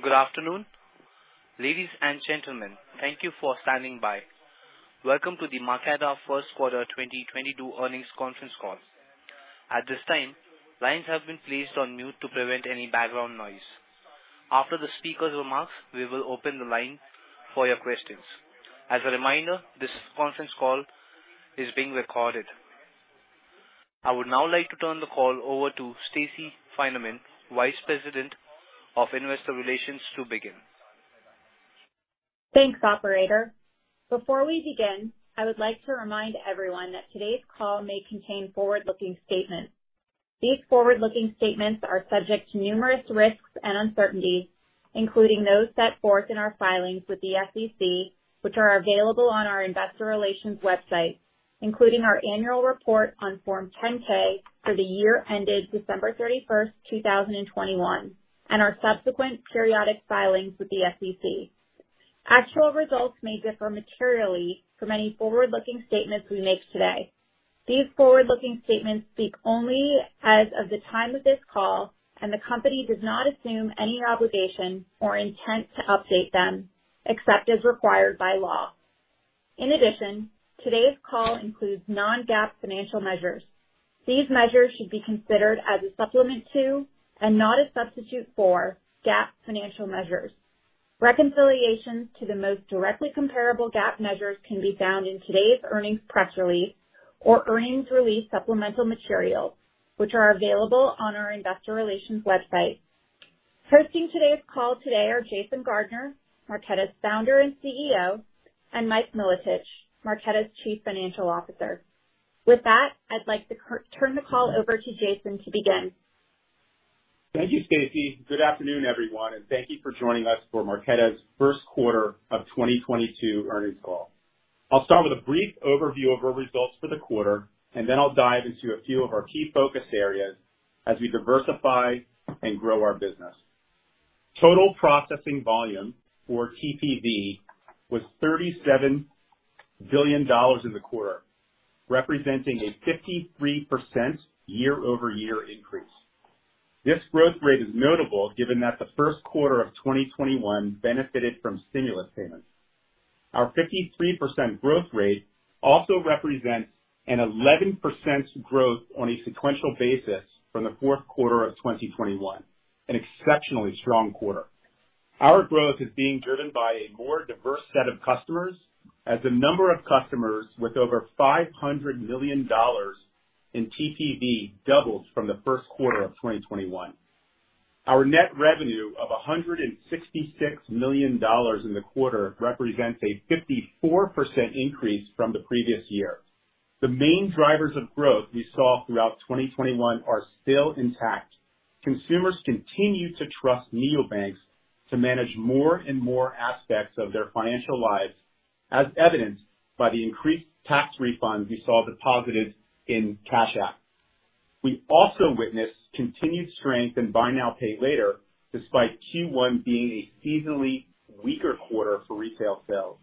Good afternoon, ladies and gentlemen. Thank you for standing by. Welcome to the Marqeta first quarter 2022 earnings conference call. At this time, lines have been placed on mute to prevent any background noise. After the speaker's remarks, we will open the line for your questions. As a reminder, this conference call is being recorded. I would now like to turn the call over to Stacey Finerman, Vice President of Investor Relations, to begin. Thanks, operator. Before we begin, I would like to remind everyone that today's call may contain forward-looking statements. These forward-looking statements are subject to numerous risks and uncertainties, including those set forth in our filings with the SEC, which are available on our investor relations website, including our annual report on Form 10-K for the year ended December 31st, 2021, and our subsequent periodic filings with the SEC. Actual results may differ materially from any forward-looking statements we make today. These forward-looking statements speak only as of the time of this call, and the company does not assume any obligation or intent to update them, except as required by law. In addition, today's call includes non-GAAP financial measures. These measures should be considered as a supplement to, and not a substitute for, GAAP financial measures. Reconciliations to the most directly comparable GAAP measures can be found in today's earnings press release or earnings release supplemental materials, which are available on our investor relations website. Hosting today's call today are Jason Gardner, Marqeta's Founder and CEO, and Mike Milotich, Marqeta's Chief Financial Officer. With that, I'd like to turn the call over to Jason to begin. Thank you, Stacey. Good afternoon, everyone, and thank you for joining us for Marqeta's first quarter of 2022 earnings call. I'll start with a brief overview of our results for the quarter, and then I'll dive into a few of our key focus areas as we diversify and grow our business. Total processing volume or TPV was $37 billion in the quarter, representing a 53% year-over-year increase. This growth rate is notable given that the first quarter of 2021 benefited from stimulus payments. Our 53% growth rate also represents an 11% growth on a sequential basis from the fourth quarter of 2021, an exceptionally strong quarter. Our growth is being driven by a more diverse set of customers as the number of customers with over $500 million in TPV doubles from the first quarter of 2021. Our net revenue of $166 million in the quarter represents a 54% increase from the previous year. The main drivers of growth we saw throughout 2021 are still intact. Consumers continue to trust neobanks to manage more and more aspects of their financial lives, as evidenced by the increased tax refunds we saw deposited in Cash App. We also witnessed continued strength in buy now, pay later, despite Q1 being a seasonally weaker quarter for retail sales.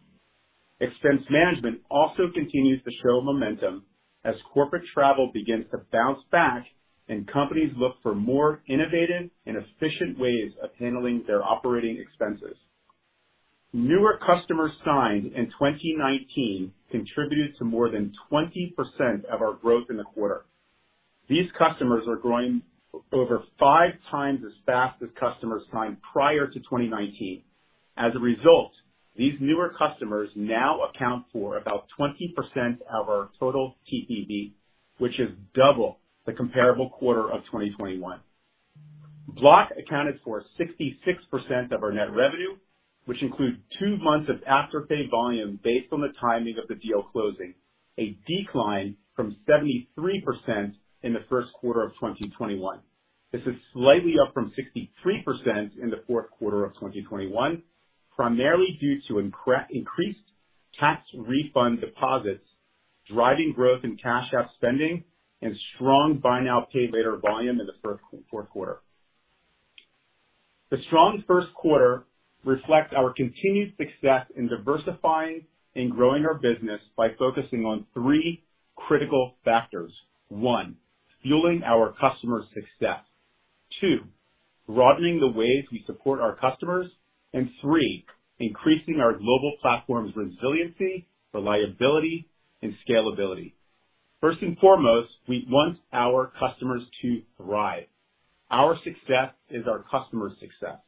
Expense management also continues to show momentum as corporate travel begins to bounce back and companies look for more innovative and efficient ways of handling their operating expenses. Newer customers signed in 2019 contributed to more than 20% of our growth in the quarter. These customers are growing over 5x as fast as customers signed prior to 2019. As a result, these newer customers now account for about 20% of our total TPV, which is double the comparable quarter of 2021. Block accounted for 66% of our net revenue, which includes two months of Afterpay volume based on the timing of the deal closing, a decline from 73% in the first quarter of 2021. This is slightly up from 63% in the fourth quarter of 2021, primarily due to increased tax refund deposits, driving growth in Cash App spending and strong buy now, pay later volume in the fourth quarter. The strong first quarter reflects our continued success in diversifying and growing our business by focusing on three critical factors. One, fueling our customers' success. Two, broadening the ways we support our customers. And three, increasing our global platform's resiliency, reliability, and scalability. First and foremost, we want our customers to thrive. Our success is our customers' success.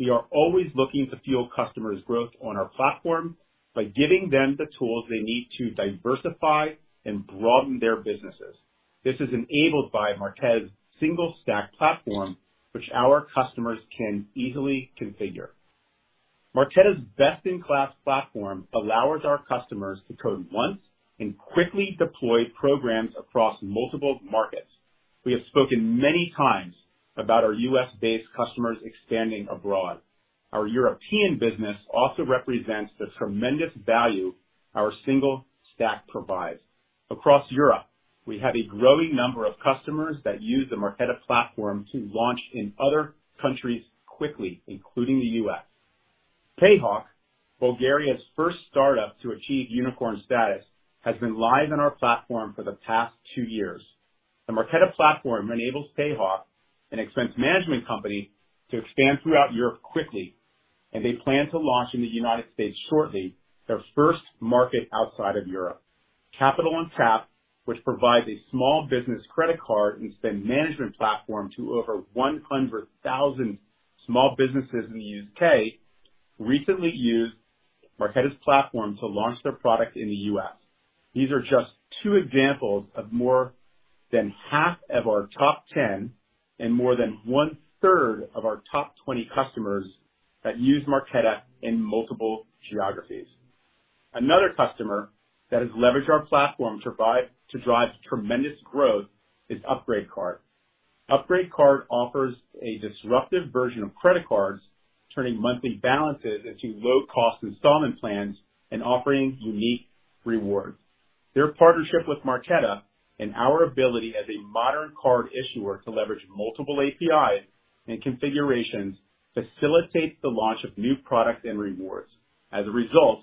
We are always looking to fuel customers' growth on our platform by giving them the tools they need to diversify and broaden their businesses. This is enabled by Marqeta's single stack platform, which our customers can easily configure. Marqeta's best-in-class platform allows our customers to code once and quickly deploy programs across multiple markets. We have spoken many times about our U.S.-based customers expanding abroad. Our European business also represents the tremendous value our single stack provides. Across Europe, we have a growing number of customers that use the Marqeta platform to launch in other countries quickly, including the U.S. Payhawk, Bulgaria's first startup to achieve unicorn status, has been live on our platform for the past two years. The Marqeta platform enables Payhawk, an expense management company, to expand throughout Europe quickly, and they plan to launch in the United States shortly, their first market outside of Europe. Capital on Tap, which provides a small business credit card and spend management platform to over 100,000 small businesses in the U.K., recently used Marqeta's platform to launch their product in the U.S. These are just two examples of more than half of our top 10 and more than 1/3 of our top 20 customers that use Marqeta in multiple geographies. Another customer that has leveraged our platform to drive tremendous growth is Upgrade Card. Upgrade Card offers a disruptive version of credit cards, turning monthly balances into low-cost installment plans and offering unique rewards. Their partnership with Marqeta and our ability as a modern card issuer to leverage multiple APIs and configurations facilitates the launch of new products and rewards. As a result,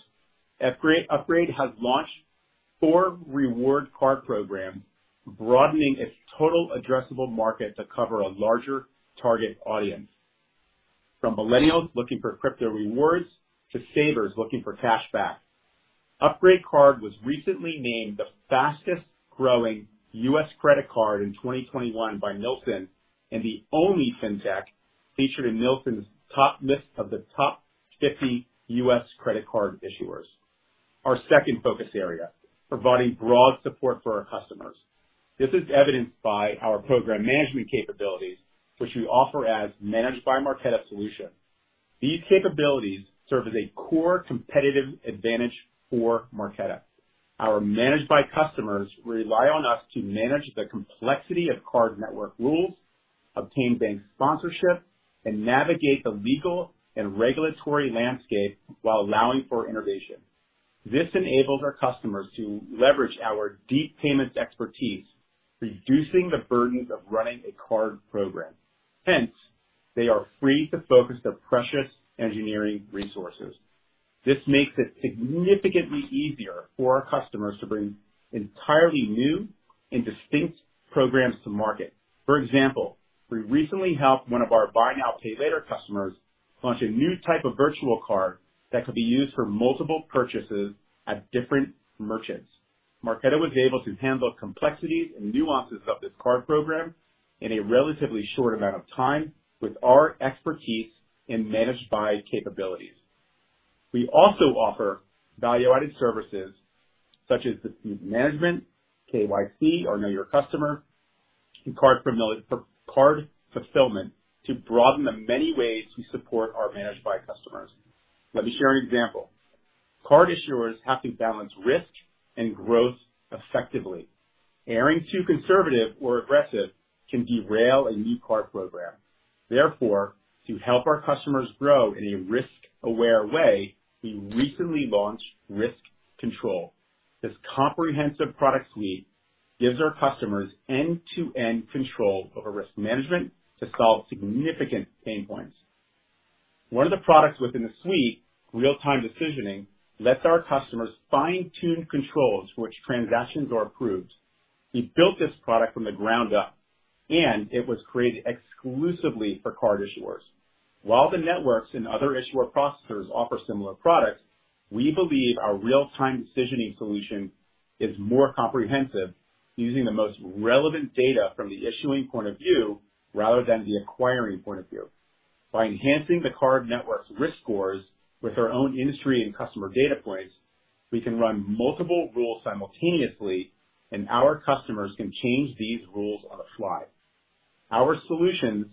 Upgrade has launched four reward card programs, broadening its total addressable market to cover a larger target audience, from millennials looking for crypto rewards to savers looking for cashback. Upgrade Card was recently named the fastest-growing U.S. credit card in 2021 by Nilson Report and the only fintech featured in Nilson Report's top list of the top 50 U.S. credit card issuers. Our second focus area, providing broad support for our customers. This is evidenced by our program management capabilities, which we offer as Managed by Marqeta solution. These capabilities serve as a core competitive advantage for Marqeta. Our Managed by customers rely on us to manage the complexity of card network rules, obtain bank sponsorship, and navigate the legal and regulatory landscape while allowing for innovation. This enables our customers to leverage our deep payments expertise, reducing the burdens of running a card program. Hence, they are free to focus their precious engineering resources. This makes it significantly easier for our customers to bring entirely new and distinct programs to market. For example, we recently helped one of our buy now, pay later customers launch a new type of virtual card that could be used for multiple purchases at different merchants. Marqeta was able to handle complexities and nuances of this card program in a relatively short amount of time with our expertise in Managed by capabilities. We also offer value-added services such as dispute management, KYC or Know Your Customer, and card fulfillment to broaden the many ways we support our Managed by Marqeta customers. Let me share an example. Card issuers have to balance risk and growth effectively. Erring too conservative or aggressive can derail a new card program. Therefore, to help our customers grow in a risk-aware way, we recently launched RiskControl. This comprehensive product suite gives our customers end-to-end control over risk management to solve significant pain points. One of the products within the suite, Real-Time Decisioning, lets our customers fine-tune controls which transactions are approved. We built this product from the ground up, and it was created exclusively for card issuers. While the networks and other issuer processors offer similar products, we believe our Real-Time Decisioning solution is more comprehensive, using the most relevant data from the issuing point of view rather than the acquiring point of view. By enhancing the card network's risk scores with our own industry and customer data points, we can run multiple rules simultaneously, and our customers can change these rules on the fly. Other solutions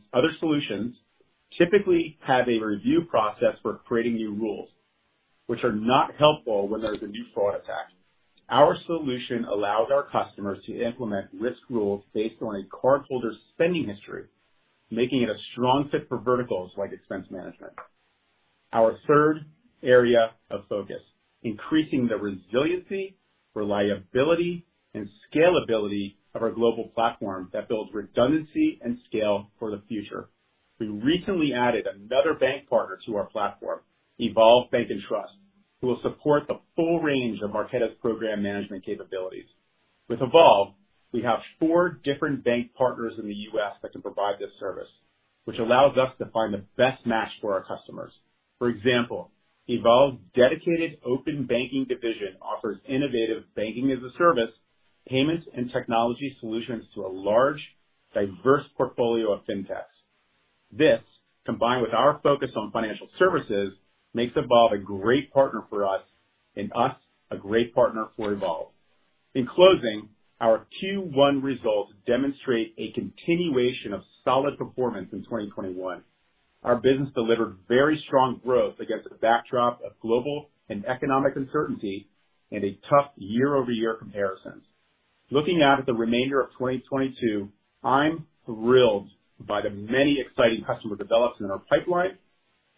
typically have a review process for creating new rules, which are not helpful when there's a new fraud attack. Our solution allows our customers to implement risk rules based on a cardholder's spending history, making it a strong fit for verticals like expense management. Our third area of focus, increasing the resiliency, reliability, and scalability of our global platform that builds redundancy and scale for the future. We recently added another bank partner to our platform, Evolve Bank & Trust, who will support the full range of Marqeta's program management capabilities. With Evolve, we have four different bank partners in the U.S. that can provide this service, which allows us to find the best match for our customers. For example, Evolve's dedicated open banking division offers innovative banking-as-a-service, payments, and technology solutions to a large, diverse portfolio of fintechs. This, combined with our focus on financial services, makes Evolve a great partner for us, and us a great partner for Evolve. In closing, our Q1 results demonstrate a continuation of solid performance in 2021. Our business delivered very strong growth against a backdrop of global and economic uncertainty and a tough year-over-year comparisons. Looking out at the remainder of 2022, I'm thrilled by the many exciting customer developments in our pipeline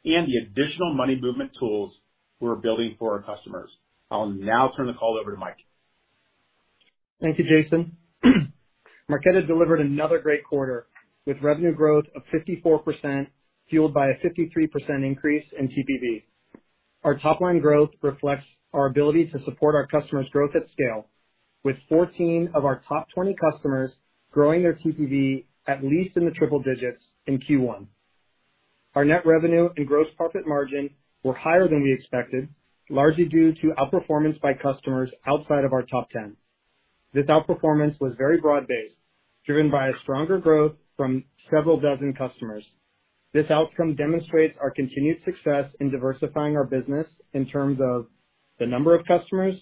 and the additional money movement tools we're building for our customers. I'll now turn the call over to Mike. Thank you, Jason. Marqeta delivered another great quarter with revenue growth of 54%, fueled by a 53% increase in TPV. Our top line growth reflects our ability to support our customers' growth at scale, with 14 of our top 20 customers growing their TPV at least in the triple digits in Q1. Our net revenue and gross profit margin were higher than we expected, largely due to outperformance by customers outside of our top 10. This outperformance was very broad-based, driven by a stronger growth from several dozen customers. This outcome demonstrates our continued success in diversifying our business in terms of the number of customers,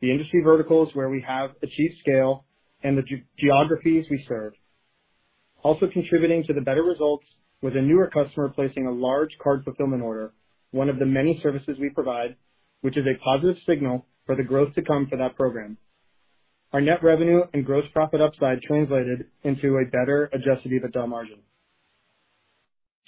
the industry verticals where we have achieved scale, and the geographies we serve. Also contributing to the better results with a newer customer placing a large card fulfillment order, one of the many services we provide, which is a positive signal for the growth to come for that program. Our net revenue and gross profit upside translated into a better adjusted EBITDA margin.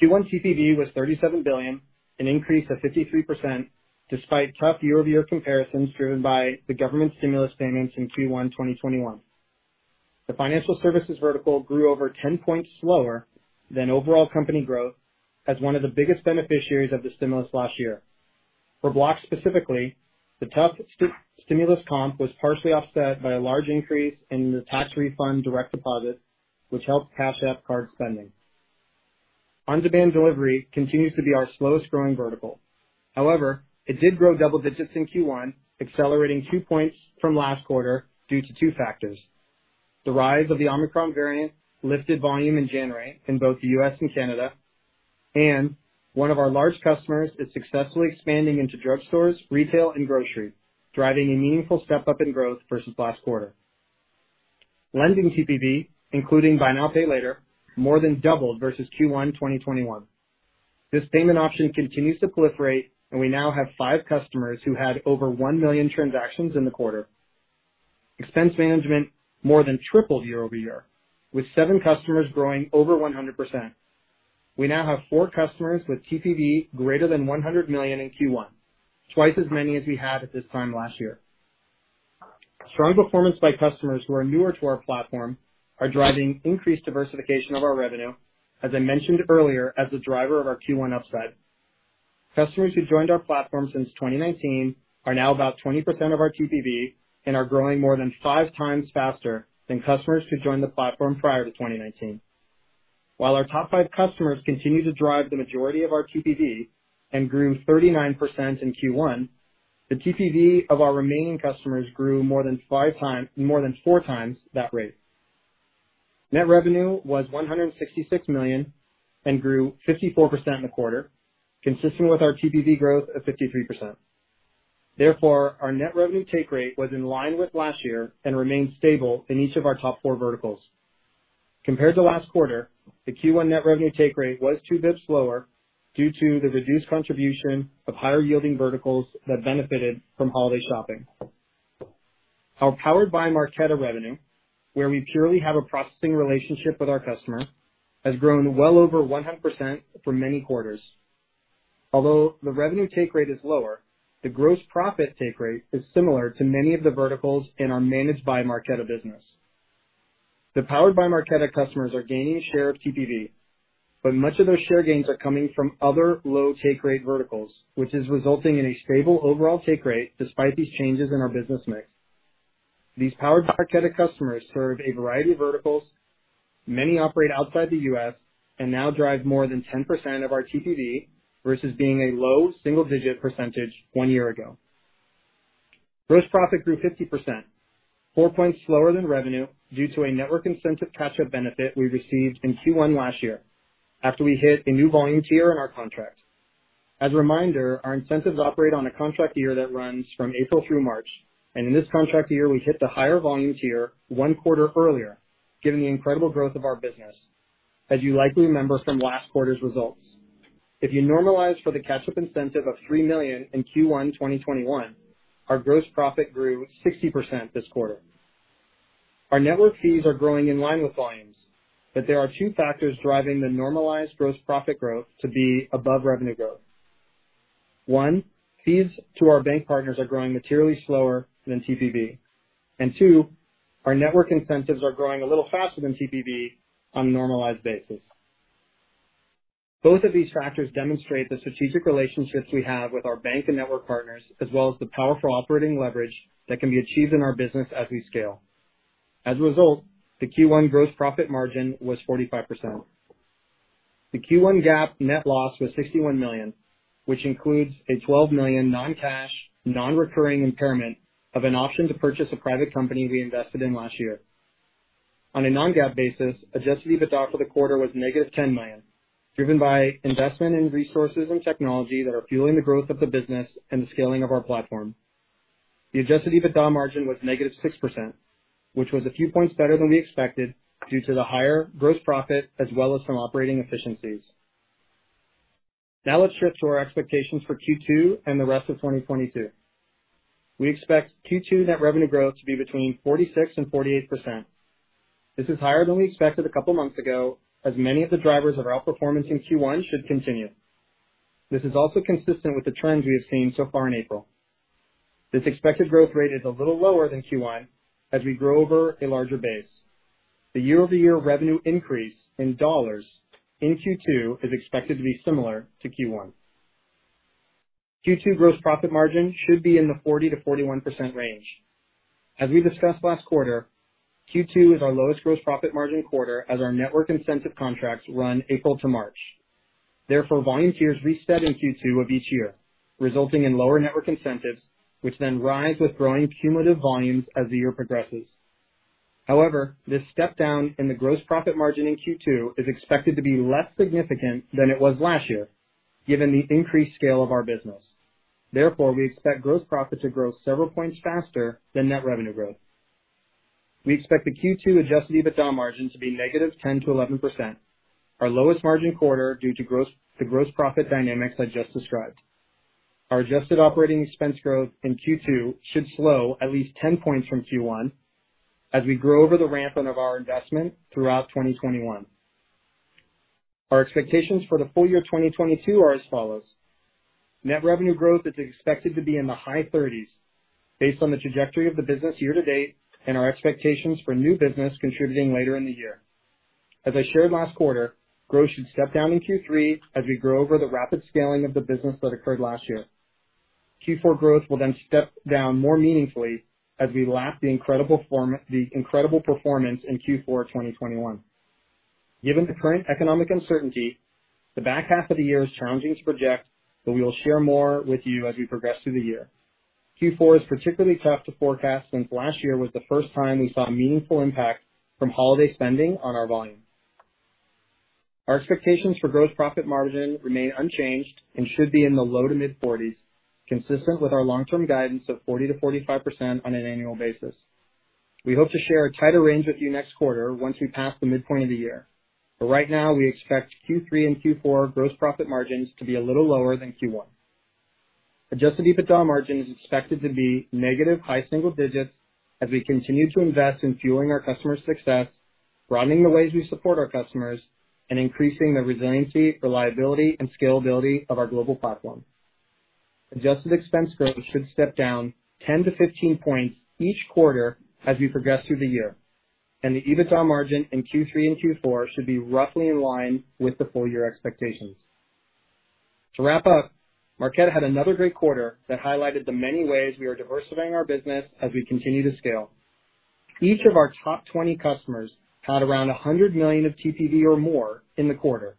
Q1 TPV was $37 billion, an increase of 53% despite tough year-over-year comparisons driven by the government stimulus payments in Q1 2021. The financial services vertical grew over 10 points slower than overall company growth as one of the biggest beneficiaries of the stimulus last year. For Block specifically, the tough stimulus comp was partially offset by a large increase in the tax refund direct deposit, which helped Cash App card spending. On-demand delivery continues to be our slowest growing vertical. However, it did grow double digits in Q1, accelerating 2 points from last quarter due to two factors. The rise of the Omicron variant lifted volume in January in both the U.S. and Canada, and one of our large customers is successfully expanding into drugstores, retail, and grocery, driving a meaningful step-up in growth versus last quarter. Lending TPV, including buy now, pay later, more than doubled versus Q1 2021. This payment option continues to proliferate, and we now have five customers who had over 1 million transactions in the quarter. Expense management more than tripled year-over-year, with seven customers growing over 100%. We now have four customers with TPV greater than $100 million in Q1, twice as many as we had at this time last year. Strong performance by customers who are newer to our platform are driving increased diversification of our revenue, as I mentioned earlier, as a driver of our Q1 upside. Customers who joined our platform since 2019 are now about 20% of our TPV and are growing more than 5x faster than customers who joined the platform prior to 2019. While our top five customers continue to drive the majority of our TPV and grew 39% in Q1, the TPV of our remaining customers grew more than 4x that rate. Net revenue was $166 million and grew 54% in the quarter, consistent with our TPV growth of 53%. Therefore, our net revenue take rate was in line with last year and remained stable in each of our top four verticals. Compared to last quarter, the Q1 net revenue take rate was 2 basis points slower due to the reduced contribution of higher-yielding verticals that benefited from holiday shopping. Our Powered by Marqeta revenue, where we purely have a processing relationship with our customer, has grown well over 100% for many quarters. Although the revenue take rate is lower, the gross profit take rate is similar to many of the verticals in our Managed by Marqeta business. The Powered by Marqeta customers are gaining share of TPV, but much of those share gains are coming from other low take rate verticals, which is resulting in a stable overall take rate despite these changes in our business mix. These Powered by Marqeta customers serve a variety of verticals. Many operate outside the U.S. and now drive more than 10% of our TPV versus being a low single-digit percentage one year ago. Gross profit grew 50%, four points slower than revenue due to a network incentive catch-up benefit we received in Q1 last year after we hit a new volume tier in our contract. As a reminder, our incentives operate on a contract year that runs from April through March, and in this contract year, we hit the higher volume tier one quarter earlier, given the incredible growth of our business, as you likely remember from last quarter's results. If you normalize for the catch-up incentive of $3 million in Q1 2021, our gross profit grew 60% this quarter. Our network fees are growing in line with volumes, but there are two factors driving the normalized gross profit growth to be above revenue growth. One, fees to our bank partners are growing materially slower than TPV. Two, our network incentives are growing a little faster than TPV on a normalized basis. Both of these factors demonstrate the strategic relationships we have with our bank and network partners, as well as the powerful operating leverage that can be achieved in our business as we scale. As a result, the Q1 gross profit margin was 45%. The Q1 GAAP net loss was $61 million, which includes a $12 million non-cash, non-recurring impairment of an option to purchase a private company we invested in last year. On a non-GAAP basis, adjusted EBITDA for the quarter was -$10 million, driven by investment in resources and technology that are fueling the growth of the business and the scaling of our platform. The adjusted EBITDA margin was negative 6%, which was a few points better than we expected due to the higher gross profit as well as some operating efficiencies. Now let's shift to our expectations for Q2 and the rest of 2022. We expect Q2 net revenue growth to be between 46% and 48%. This is higher than we expected a couple months ago, as many of the drivers of our performance in Q1 should continue. This is also consistent with the trends we have seen so far in April. This expected growth rate is a little lower than Q1 as we grow over a larger base. The year-over-year revenue increase in dollars in Q2 is expected to be similar to Q1. Q2 gross profit margin should be in the 40%-41% range. As we discussed last quarter, Q2 is our lowest gross profit margin quarter as our network incentive contracts run April to March. Therefore, volume tiers reset in Q2 of each year, resulting in lower network incentives, which then rise with growing cumulative volumes as the year progresses. However, this step-down in the gross profit margin in Q2 is expected to be less significant than it was last year, given the increased scale of our business. Therefore, we expect gross profit to grow several points faster than net revenue growth. We expect the Q2 adjusted EBITDA margin to be -10% to -11%, our lowest margin quarter due to the gross profit dynamics I just described. Our adjusted operating expense growth in Q2 should slow at least 10 points from Q1 as we grow over the ramp of our investment throughout 2021. Our expectations for the full year 2022 are as follows: Net revenue growth is expected to be in the high 30s% based on the trajectory of the business year-to-date and our expectations for new business contributing later in the year. As I shared last quarter, growth should step down in Q3 as we grow over the rapid scaling of the business that occurred last year. Q4 growth will then step down more meaningfully as we lap the incredible performance in Q4 2021. Given the current economic uncertainty, the back half of the year is challenging to project, but we will share more with you as we progress through the year. Q4 is particularly tough to forecast since last year was the first time we saw meaningful impact from holiday spending on our volume. Our expectations for gross profit margin remain unchanged and should be in the low to mid-40s%, consistent with our long-term guidance of 40%-45% on an annual basis. We hope to share a tighter range with you next quarter once we pass the midpoint of the year. Right now, we expect Q3 and Q4 gross profit margins to be a little lower than Q1. Adjusted EBITDA margin is expected to be negative high single digits as we continue to invest in fueling our customers' success, broadening the ways we support our customers, and increasing the resiliency, reliability, and scalability of our global platform. Adjusted expense growth should step down 10-15 points each quarter as we progress through the year, and the EBITDA margin in Q3 and Q4 should be roughly in line with the full year expectations. To wrap up, Marqeta had another great quarter that highlighted the many ways we are diversifying our business as we continue to scale. Each of our top 20 customers had around $100 million of TPV or more in the quarter.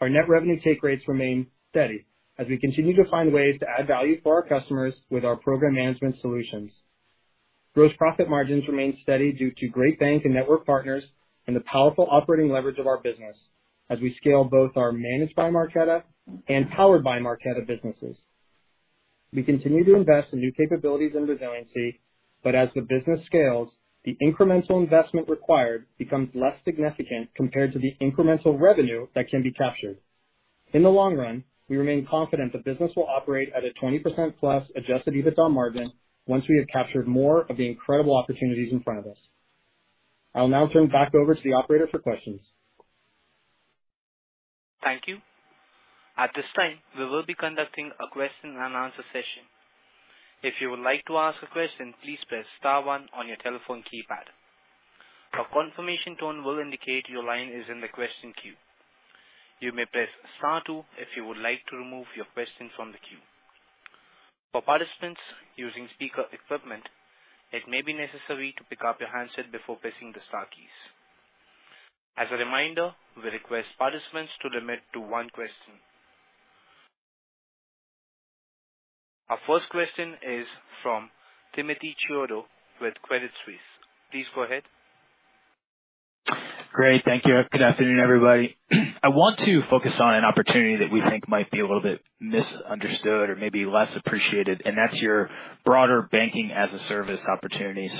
Our net revenue take rates remain steady as we continue to find ways to add value for our customers with our program management solutions. Gross profit margins remain steady due to great bank and network partners and the powerful operating leverage of our business as we scale both our Managed by Marqeta and Powered by Marqeta businesses. We continue to invest in new capabilities and resiliency, but as the business scales, the incremental investment required becomes less significant compared to the incremental revenue that can be captured. In the long run, we remain confident the business will operate at a 20%+ adjusted EBITDA margin once we have captured more of the incredible opportunities in front of us. I'll now turn back over to the operator for questions. Thank you. At this time, we will be conducting a question and answer session. If you would like to ask a question, please press star one on your telephone keypad. A confirmation tone will indicate your line is in the question queue. You may press star two if you would like to remove your question from the queue. For participants using speaker equipment, it may be necessary to pick up your handset before pressing the star keys. As a reminder, we request participants to limit to one question. Our first question is from Timothy Chiodo with Credit Suisse. Please go ahead. Great. Thank you. Good afternoon, everybody. I want to focus on an opportunity that we think might be a little bit misunderstood or maybe less appreciated, and that's your broader banking-as-a-service opportunity.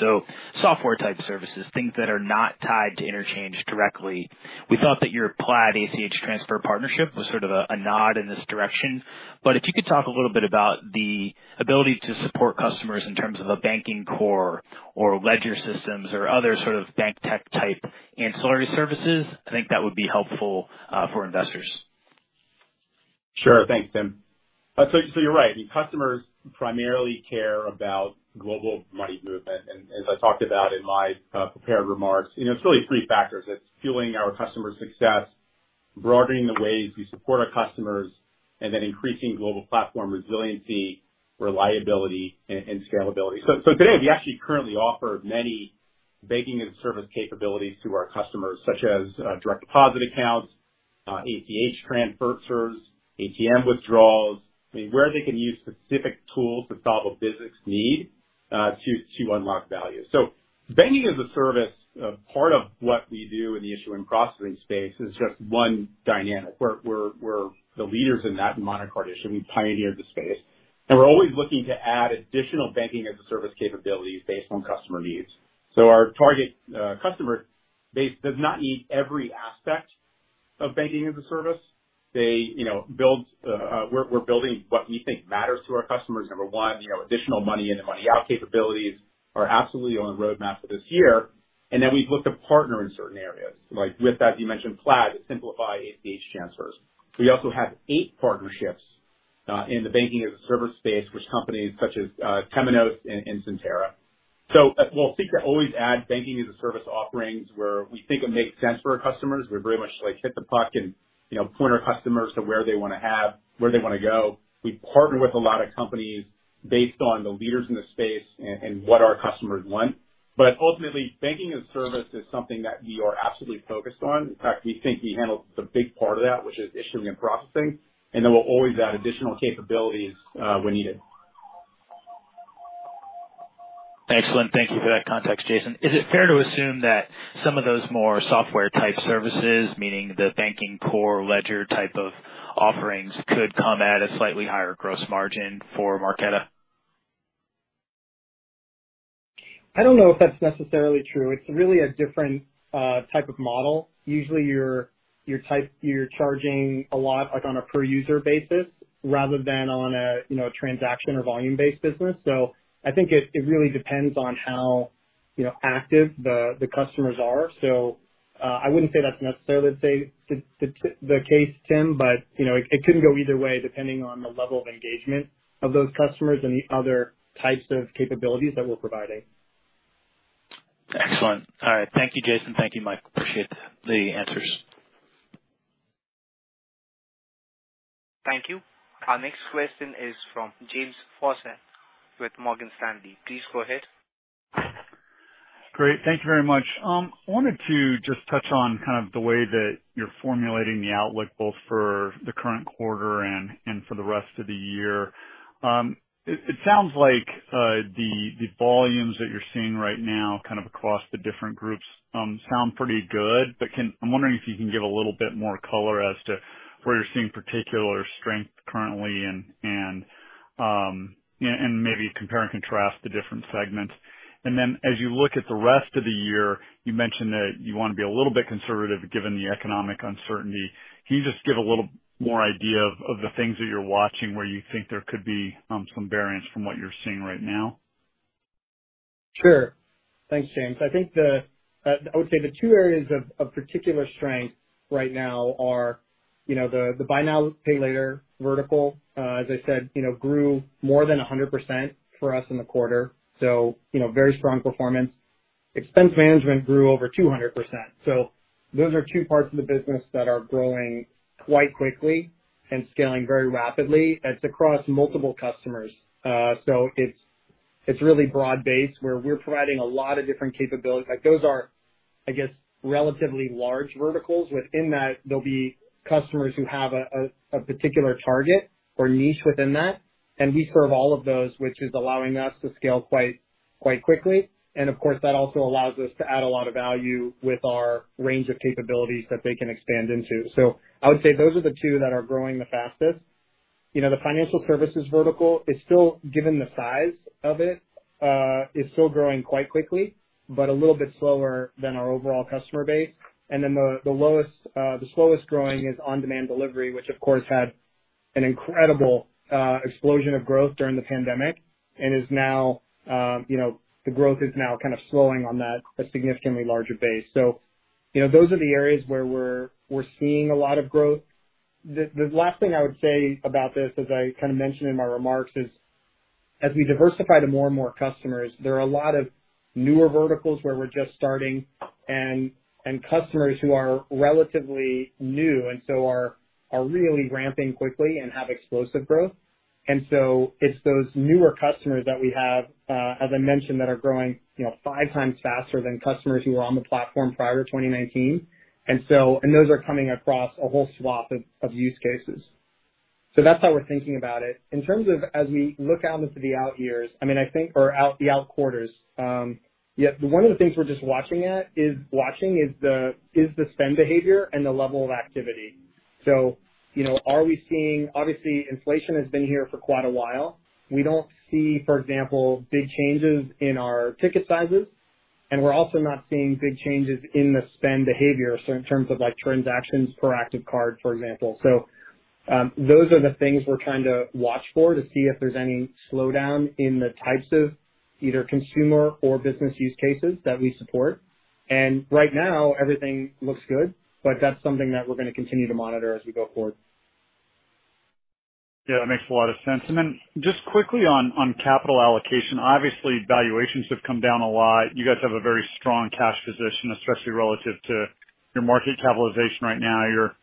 Software-type services, things that are not tied to interchange directly. We thought that your Plaid ACH transfer partnership was sort of a nod in this direction. If you could talk a little bit about the ability to support customers in terms of a banking core or ledger systems or other sort of bank tech-type ancillary services, I think that would be helpful for investors. Sure. Thanks, Tim. You're right. I mean, customers primarily care about global money movement. As I talked about in my prepared remarks, you know, it's really three factors. It's fueling our customers' success, broadening the ways we support our customers, and then increasing global platform resiliency, reliability, and scalability. Today we actually currently offer many banking-as-a-service capabilities to our customers, such as direct deposit accounts, ACH transfers, ATM withdrawals. I mean, where they can use specific tools that solve a business need to unlock value. Banking-as-a-service part of what we do in the issuing processing space is just one dynamic. We're the leaders in that modern card issuing. We pioneered the space. We're always looking to add additional banking-as-a-service capabilities based on customer needs. Our target customer base does not need every aspect of banking-as-a-service. They, you know, we're building what we think matters to our customers. Number one, you know, additional money in and money out capabilities are absolutely on the roadmap for this year. Then we've looked to partner in certain areas like with, as you mentioned, Plaid, to simplify ACH transfers. We also have eight partnerships in the banking-as-a-service space with companies such as Temenos and Synctera. We'll seek to always add banking-as-a-service offerings where we think it makes sense for our customers. We very much like hit the puck and, you know, point our customers to where they wanna have, where they wanna go. We partner with a lot of companies based on the leaders in the space and what our customers want. Ultimately, banking-as-a-service is something that we are absolutely focused on. In fact, we think we handle the big part of that, which is issuing and processing, and then we'll always add additional capabilities, when needed. Excellent. Thank you for that context, Jason. Is it fair to assume that some of those more software type services, meaning the banking core ledger type of offerings, could come at a slightly higher gross margin for Marqeta? I don't know if that's necessarily true. It's really a different type of model. Usually you're charging a lot, like, on a per user basis rather than on a, you know, a transaction or volume-based business. I think it really depends on how, you know, active the customers are. I wouldn't say that's necessarily the case, Tim, but you know, it could go either way depending on the level of engagement of those customers and the other types of capabilities that we're providing. Excellent. All right. Thank you, Jason. Thank you, Mike. Appreciate the answers. Thank you. Our next question is from James Faucette with Morgan Stanley. Please go ahead. Great. Thank you very much. I wanted to just touch on kind of the way that you're formulating the outlook both for the current quarter and for the rest of the year. It sounds like the volumes that you're seeing right now kind of across the different groups sound pretty good, but I'm wondering if you can give a little bit more color as to where you're seeing particular strength currently and maybe compare and contrast the different segments. Then as you look at the rest of the year, you mentioned that you wanna be a little bit conservative given the economic uncertainty. Can you just give a little more idea of the things that you're watching where you think there could be some variance from what you're seeing right now? Sure. Thanks, James. I think I would say the two areas of particular strength right now are, you know, the buy now, pay later vertical, as I said, you know, grew more than 100% for us in the quarter, so, you know, very strong performance. Expense management grew over 200%. Those are two parts of the business that are growing quite quickly and scaling very rapidly. It's across multiple customers. It's really broad-based where we're providing a lot of different capabilities. Like, those are, I guess, relatively large verticals. Within that, there'll be customers who have a particular target or niche within that, and we serve all of those, which is allowing us to scale quite quickly. Of course, that also allows us to add a lot of value with our range of capabilities that they can expand into. I would say those are the two that are growing the fastest. You know, the financial services vertical is still, given the size of it, is still growing quite quickly, but a little bit slower than our overall customer base. Then the slowest growing is on-demand delivery, which of course had an incredible explosion of growth during the pandemic and is now, you know, the growth is now kind of slowing on that, a significantly larger base. You know, those are the areas where we're seeing a lot of growth. The last thing I would say about this, as I kinda mentioned in my remarks, is as we diversify to more and more customers, there are a lot of newer verticals where we're just starting and customers who are relatively new and so are really ramping quickly and have explosive growth. It's those newer customers that we have, as I mentioned, that are growing, you know, 5x faster than customers who were on the platform prior to 2019. Those are coming across a whole swath of use cases. That's how we're thinking about it. In terms of, as we look out into the out quarters, one of the things we're just watching is the spend behavior and the level of activity. You know, obviously, inflation has been here for quite a while. We don't see, for example, big changes in our ticket sizes, and we're also not seeing big changes in the spend behavior, so in terms of like transactions per active card, for example. Those are the things we're trying to watch for to see if there's any slowdown in the types of either consumer or business use cases that we support. Right now everything looks good, but that's something that we're gonna continue to monitor as we go forward. Yeah, that makes a lot of sense. Just quickly on capital allocation. Obviously, valuations have come down a lot. You guys have a very strong cash position, especially relative to your market capitalization right now. You're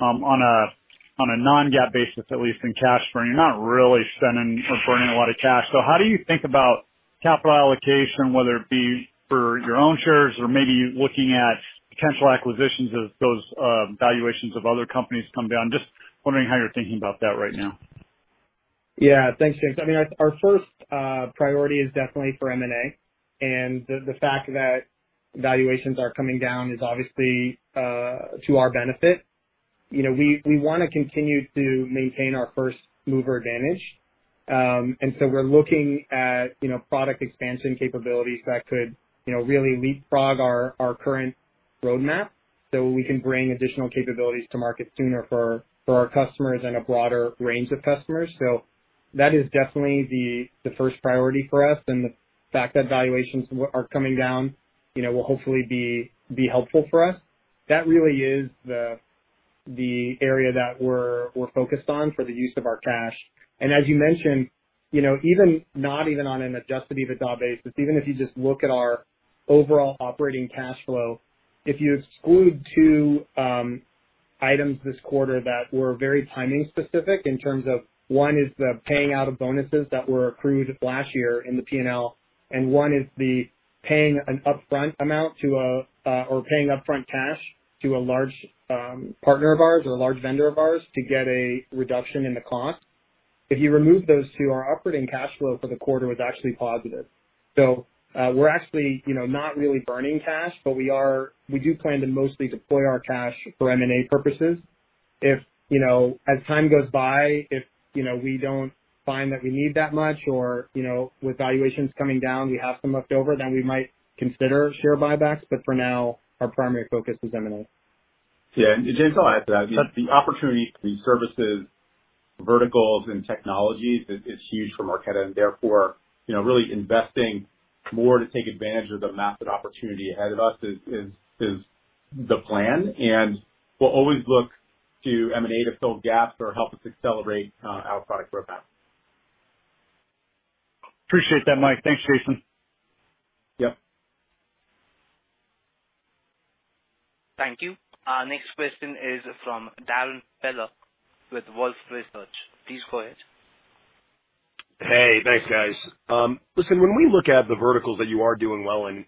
on a non-GAAP basis, at least in cash burn, you're not really spending or burning a lot of cash. How do you think about capital allocation, whether it be for your own shares or maybe looking at potential acquisitions as those valuations of other companies come down? Just wondering how you're thinking about that right now. Yeah. Thanks, James. I mean, our first priority is definitely for M&A. The fact that valuations are coming down is obviously to our benefit. You know, we wanna continue to maintain our first mover advantage. We're looking at, you know, product expansion capabilities that could, you know, really leapfrog our current roadmap, so we can bring additional capabilities to market sooner for our customers and a broader range of customers. That is definitely the first priority for us. The fact that valuations are coming down, you know, will hopefully be helpful for us. That really is the area that we're focused on for the use of our cash. As you mentioned, you know, not even on an adjusted EBITDA basis, even if you just look at our overall operating cash flow, if you exclude two items this quarter that were very timing specific in terms of one is the paying out of bonuses that were accrued last year in the P&L, and one is paying upfront cash to a large partner of ours or a large vendor of ours to get a reduction in the cost. If you remove those two, our operating cash flow for the quarter was actually positive. We're actually, you know, not really burning cash, but we do plan to mostly deploy our cash for M&A purposes. If, you know, as time goes by, if, you know, we don't find that we need that much or, you know, with valuations coming down, we have some left over, then we might consider share buybacks. For now, our primary focus is M&A. Yeah. James, I'll add to that. The opportunity for these services, verticals and technologies is huge for Marqeta, and therefore, you know, really investing more to take advantage of the massive opportunity ahead of us is the plan. We'll always look to M&A to fill gaps or help us accelerate our product roadmap. Appreciate that, Mike. Thanks, Jason. Yep. Thank you. Next question is from Darrin Peller with Wolfe Research. Please go ahead. Hey, thanks, guys. Listen, when we look at the verticals that you are doing well in,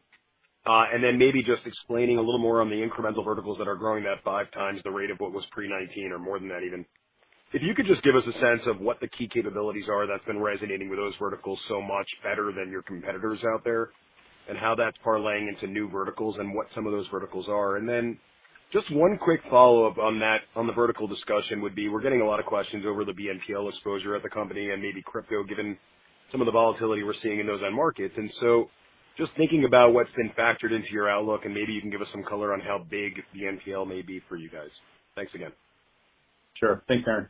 and then maybe just explaining a little more on the incremental verticals that are growing at 5x the rate of what was pre-2019 or more than that even. If you could just give us a sense of what the key capabilities are that's been resonating with those verticals so much better than your competitors out there, and how that's parlaying into new verticals and what some of those verticals are. Just one quick follow-up on that, on the vertical discussion would be we're getting a lot of questions over the BNPL exposure at the company and maybe crypto, given some of the volatility we're seeing in those end markets. Just thinking about what's been factored into your outlook, and maybe you can give us some color on how big BNPL may be for you guys? Thanks again. Sure. Thanks, Darrin.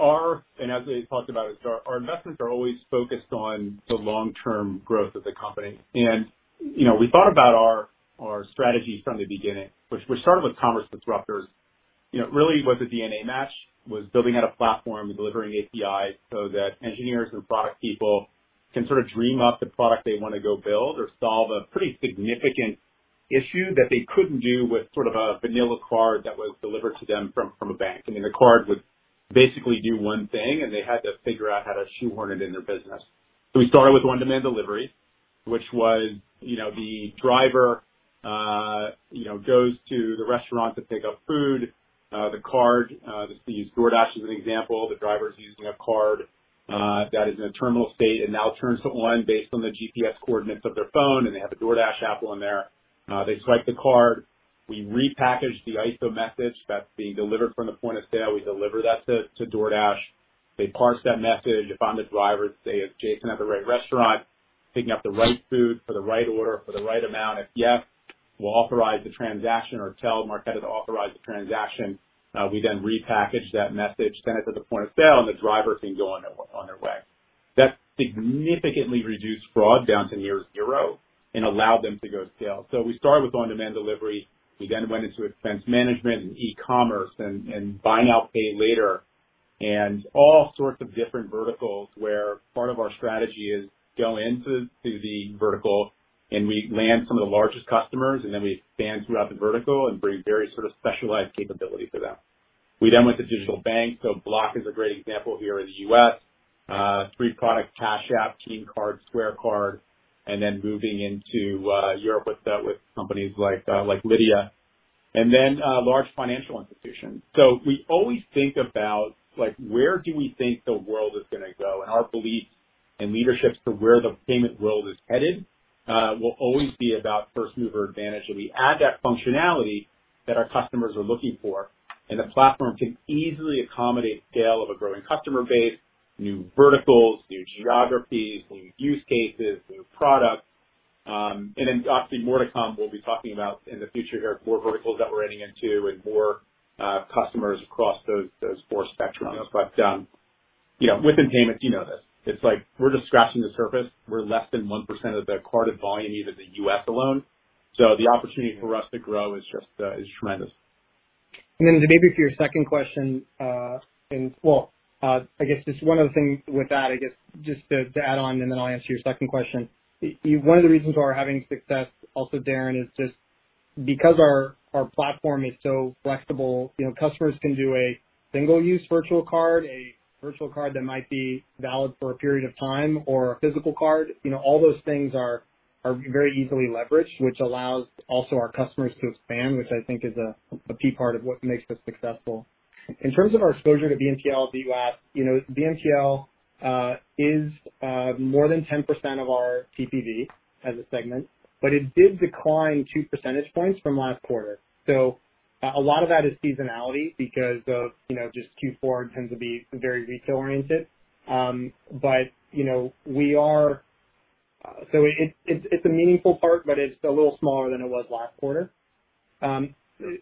Our investments are always focused on the long-term growth of the company. You know, we thought about our strategy from the beginning, which we started with commerce disruptors. You know, really what the DNA match was building out a platform and delivering APIs so that engineers and product people can sort of dream up the product they wanna go build or solve a pretty significant issue that they couldn't do with sort of a vanilla card that was delivered to them from a bank. The card would basically do one thing, and they had to figure out how to shoehorn it in their business. We started with on-demand delivery, which was, you know, the driver, you know, goes to the restaurant to pick up food, the card, let's use DoorDash as an example. The driver's using a card that is in a terminal state and now turns to online based on the GPS coordinates of their phone, and they have a DoorDash app on there. They swipe the card, we repackage the ISO message that's being delivered from the point of sale, we deliver that to DoorDash. They parse that message to find the driver, say, is Jason at the right restaurant, picking up the right food for the right order for the right amount? If yes, we'll authorize the transaction or tell Marqeta to authorize the transaction. We then repackage that message, send it to the point of sale, and the driver can go on their way. That significantly reduced fraud down to near zero and allowed them to scale. We started with on-demand delivery. We went into expense management and e-commerce and buy now pay later and all sorts of different verticals where part of our strategy is go into the vertical and we land some of the largest customers, and then we expand throughout the vertical and bring very sort of specialized capability to them. We went to digital banks. Block is a great example here in the U.S., three products, Cash App, Team Card, Square Card, and then moving into Europe with companies like Lydia, and then large financial institutions. We always think about, like where do we think the world is gonna go? Our belief and leadership to where the payment world is headed will always be about first-mover advantage. We add that functionality that our customers are looking for, and the platform can easily accommodate scale of a growing customer base, new verticals, new geographies, new use cases, new products. Obviously more to come, we'll be talking about in the future here, more verticals that we're adding into and more customers across those four spectrums. You know, within payments, you know this. It's like we're just scratching the surface. We're less than 1% of the carded volume, even in the U.S. alone. The opportunity for us to grow is just tremendous. One of the reasons we're having success also, Darrin, is just because our platform is so flexible, you know, customers can do a single-use virtual card, a virtual card that might be valid for a period of time or a physical card. You know, all those things are very easily leveraged, which allows also our customers to expand, which I think is a key part of what makes us successful. In terms of our exposure to BNPL in the U.S., you know, BNPL is more than 10% of our TPV as a segment, but it did decline 2 percentage points from last quarter. A lot of that is seasonality because of just Q4 tends to be very retail oriented. We are, so it's a meaningful part but it's a little smaller than it was last quarter.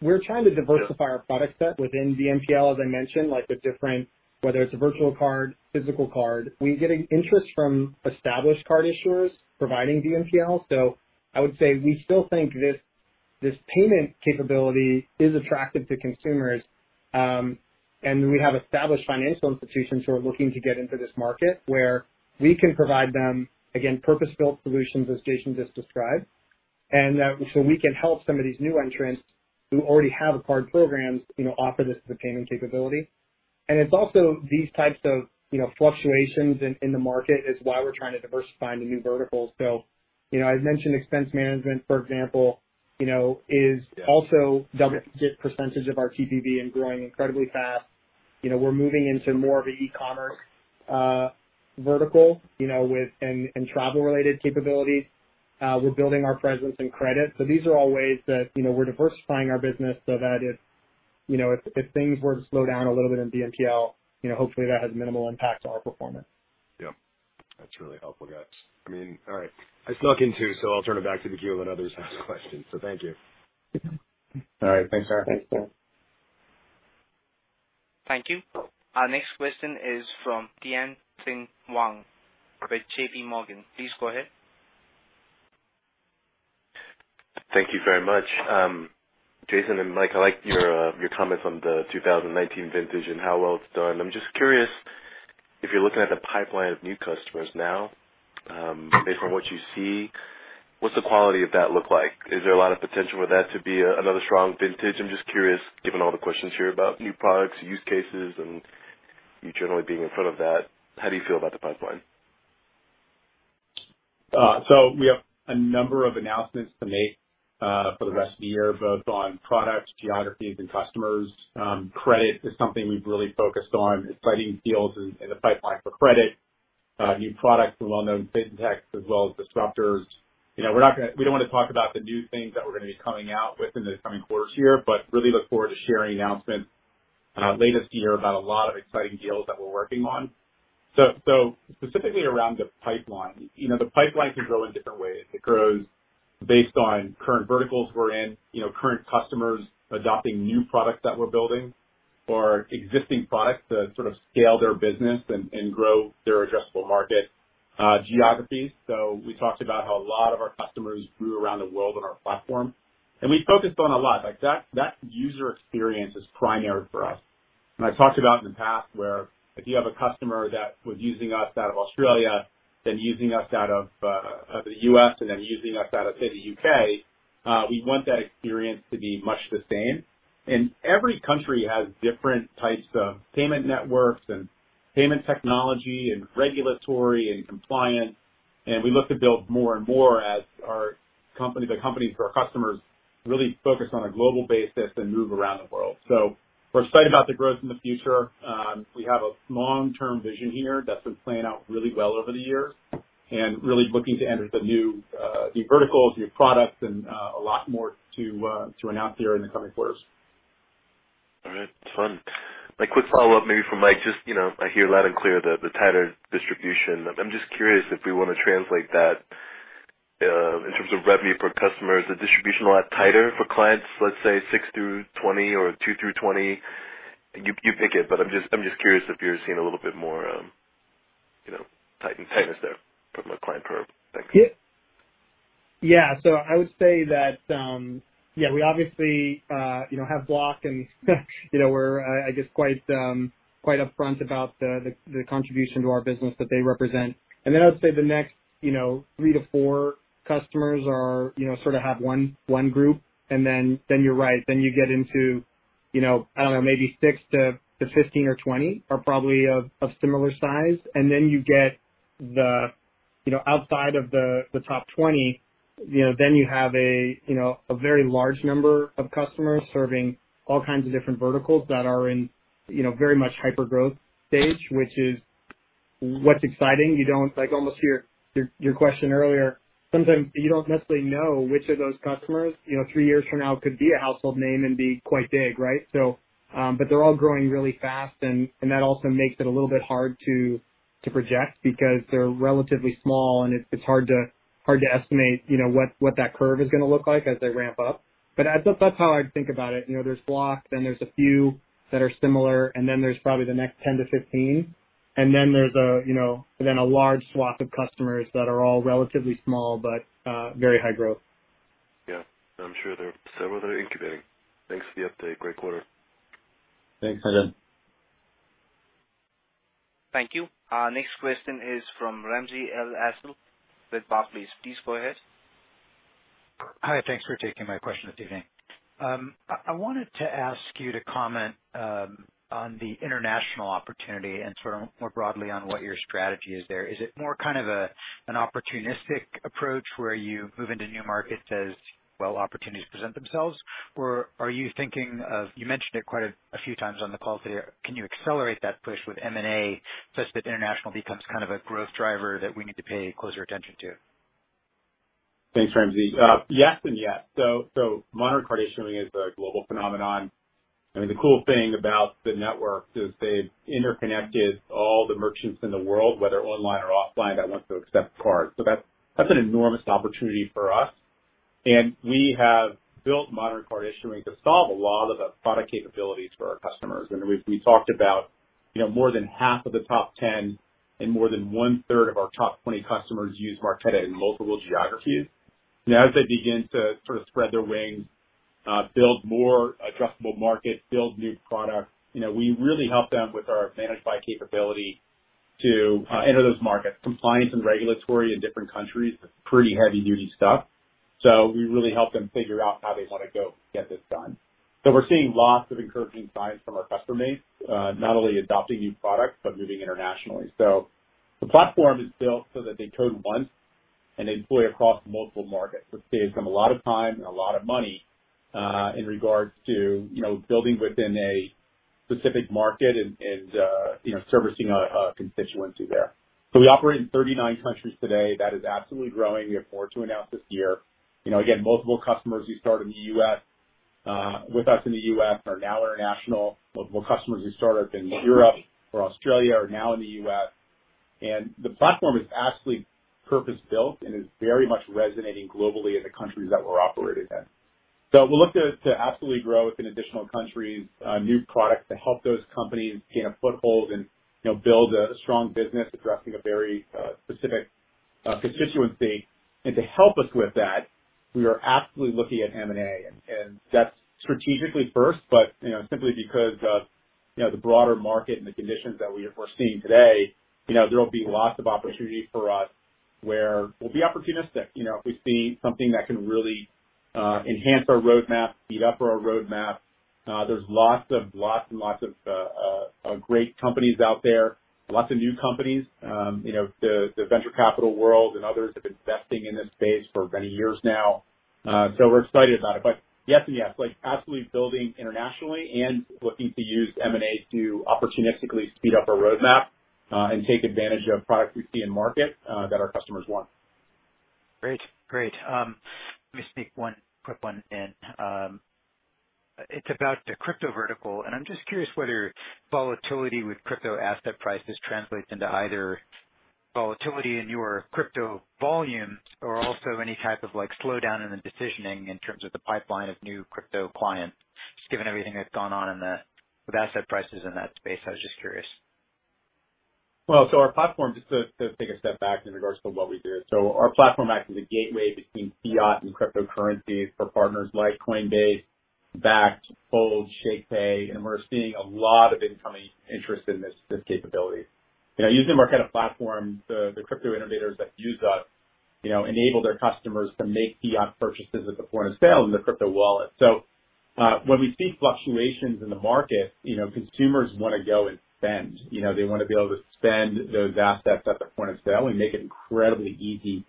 We're trying to diversify our product set within BNPL, as I mentioned, like the different, whether it's a virtual card, physical card. We're getting interest from established card issuers providing BNPL. I would say we still think this payment capability is attractive to consumers. We have established financial institutions who are looking to get into this market where we can provide them, again, purpose-built solutions as Jason just described. We can help some of these new entrants who already have a card program, you know, offer this as a payment capability. It's also these types of, you know, fluctuations in the market is why we're trying to diversify into new verticals. You know, I've mentioned expense management, for example, you know, is also double-digit percentage of our TPV and growing incredibly fast. You know, we're moving into more of an e-commerce vertical, you know, with and travel-related capabilities. We're building our presence in credit. These are all ways that, you know, we're diversifying our business so that if, you know, if things were to slow down a little bit in BNPL, you know, hopefully that has minimal impact to our performance. Yeah, that's really helpful, guys. I mean, all right, I snuck in two, so I'll turn it back to the queue and let others ask questions. Thank you. All right. Thanks, Darrin. Thanks. Thank you. Our next question is from Tien-Tsin Huang with JPMorgan. Please go ahead. Thank you very much. Jason and Mike, I like your comments on the 2019 vintage and how well it's done. I'm just curious if you're looking at the pipeline of new customers now, based on what you see, what's the quality of that look like? Is there a lot of potential for that to be another strong vintage? I'm just curious, given all the questions here about new products, use cases and you generally being in front of that, how do you feel about the pipeline? We have a number of announcements to make for the rest of the year, both on products, geographies and customers. Credit is something we've really focused on. Exciting deals in the pipeline for credit. New products along those fintechs as well as disruptors. You know, we don't wanna talk about the new things that we're gonna be coming out with in the coming quarters here, but really look forward to sharing announcements in our last year about a lot of exciting deals that we're working on. Specifically around the pipeline. You know, the pipeline can grow in different ways. It grows based on current verticals we're in, you know, current customers adopting new products that we're building or existing products to sort of scale their business and grow their addressable market. Geographies. We talked about how a lot of our customers grew around the world on our platform, and we focused on a lot. Like that user experience is primary for us. I talked about in the past where if you have a customer that was using us out of Australia, then using us out of the U.S. and then using us out of, say, the U.K., we want that experience to be much the same. Every country has different types of payment networks and payment technology and regulatory and compliance. We look to build more and more as our company, the companies or our customers really focus on a global basis and move around the world. We're excited about the growth in the future. We have a long-term vision here that's been playing out really well over the years and really looking to enter the new verticals, new products and a lot more to announce here in the coming quarters. All right. That's fun. My quick follow-up maybe for Mike, you know, I hear loud and clear the tighter distribution. I'm just curious if we wanna translate that in terms of revenue per customer. Is the distribution a lot tighter for clients, let's say 6-20 or 2-20? You pick it, but I'm just curious if you're seeing a little bit more, you know, tightness there from a client per Yeah, I would say that we obviously, you know, have Block and, you know, we are, I guess, quite upfront about the contribution to our business that they represent. I would say the next, you know, three to four customers are, you know, sort of in one group, and then you're right. You get into, you know, I don't know, maybe six to 15 or 20 are probably of similar size. You get to, you know, outside of the top 20, you know, then you have a very large number of customers serving all kinds of different verticals that are in, you know, very much hyper growth stage, which is what's exciting. You don't like almost your question earlier, sometimes you don't necessarily know which of those customers, you know, three years from now could be a household name and be quite big, right? But they're all growing really fast and that also makes it a little bit hard to project because they're relatively small and it's hard to estimate, you know, what that curve is gonna look like as they ramp up. But that's how I think about it. You know, there's Block, then there's a few that are similar, and then there's probably the next 10-15. Then there's, you know, a large swath of customers that are all relatively small but very high growth. Yeah. I'm sure there are several that are incubating. Thanks for the update. Great quarter. Thanks. Thank you. Our next question is from Ramsey El-Assal with Barclays. Please go ahead. Hi. Thanks for taking my question this evening. I wanted to ask you to comment on the international opportunity and sort of more broadly on what your strategy is there. Is it more kind of an opportunistic approach where you move into new markets as well opportunities present themselves? Or are you thinking of, you mentioned it quite a few times on the call today, can you accelerate that push with M&A such that international becomes kind of a growth driver that we need to pay closer attention to? Thanks, Ramsey. Yes and yes. Modern card issuing is a global phenomenon. I mean, the cool thing about the network is they've interconnected all the merchants in the world, whether online or offline, that want to accept cards. That's an enormous opportunity for us. We have built modern card issuing to solve a lot of the product capabilities for our customers. I mean, we've talked about, you know, more than half of the top 10 and more than 1/3 of our top 20 customers use Marqeta in multiple geographies. As they begin to sort of spread their wings, build more addressable markets, build new products, you know, we really help them with our Managed by capability to enter those markets. Compliance and regulatory in different countries is pretty heavy-duty stuff, so we really help them figure out how they wanna go get this done. We're seeing lots of encouraging signs from our customer base, not only adopting new products, but moving internationally. The platform is built so that they code once and they deploy across multiple markets, which saves them a lot of time and a lot of money, in regards to, you know, building within a specific market and, you know, servicing a constituency there. We operate in 39 countries today. That is absolutely growing. We have more to announce this year. You know, again, multiple customers who start in the U.S., with us in the U.S. are now international. Multiple customers who start up in Europe or Australia are now in the U.S. The platform is absolutely purpose-built and is very much resonating globally in the countries that we're operating in. We look to absolutely grow within additional countries, new products to help those companies gain a foothold and, you know, build a strong business addressing a very specific constituency. To help us with that, we are absolutely looking at M&A. That's strategically first, but, you know, simply because of the broader market and the conditions that we are foreseeing today, you know, there will be lots of opportunities for us where we'll be opportunistic. You know, if we see something that can really enhance our roadmap, speed up our roadmap, there's lots and lots of great companies out there, lots of new companies. You know, the venture capital world and others have been investing in this space for many years now. So we're excited about it. Yes and yes, like, absolutely building internationally and looking to use M&A to opportunistically speed up our roadmap, and take advantage of products we see in market, that our customers want. Great. Let me sneak one quick one in. It's about the crypto vertical, and I'm just curious whether volatility with crypto asset prices translates into either volatility in your crypto volume or also any type of, like, slowdown in the decisioning in terms of the pipeline of new crypto clients. Just given everything that's gone on in the, with asset prices in that space, I was just curious. Our platform, just to take a step back in regards to what we do. Our platform acts as a gateway between fiat and cryptocurrency for partners like Coinbase, Bakkt, Fold, Shakepay, and we're seeing a lot of incoming interest in this capability. You know, using Marqeta platform, the crypto innovators that use us, you know, enable their customers to make fiat purchases at the point of sale in their crypto wallet. When we see fluctuations in the market, you know, consumers wanna go and spend. You know, they wanna be able to spend those assets at the point of sale. We make it incredibly easy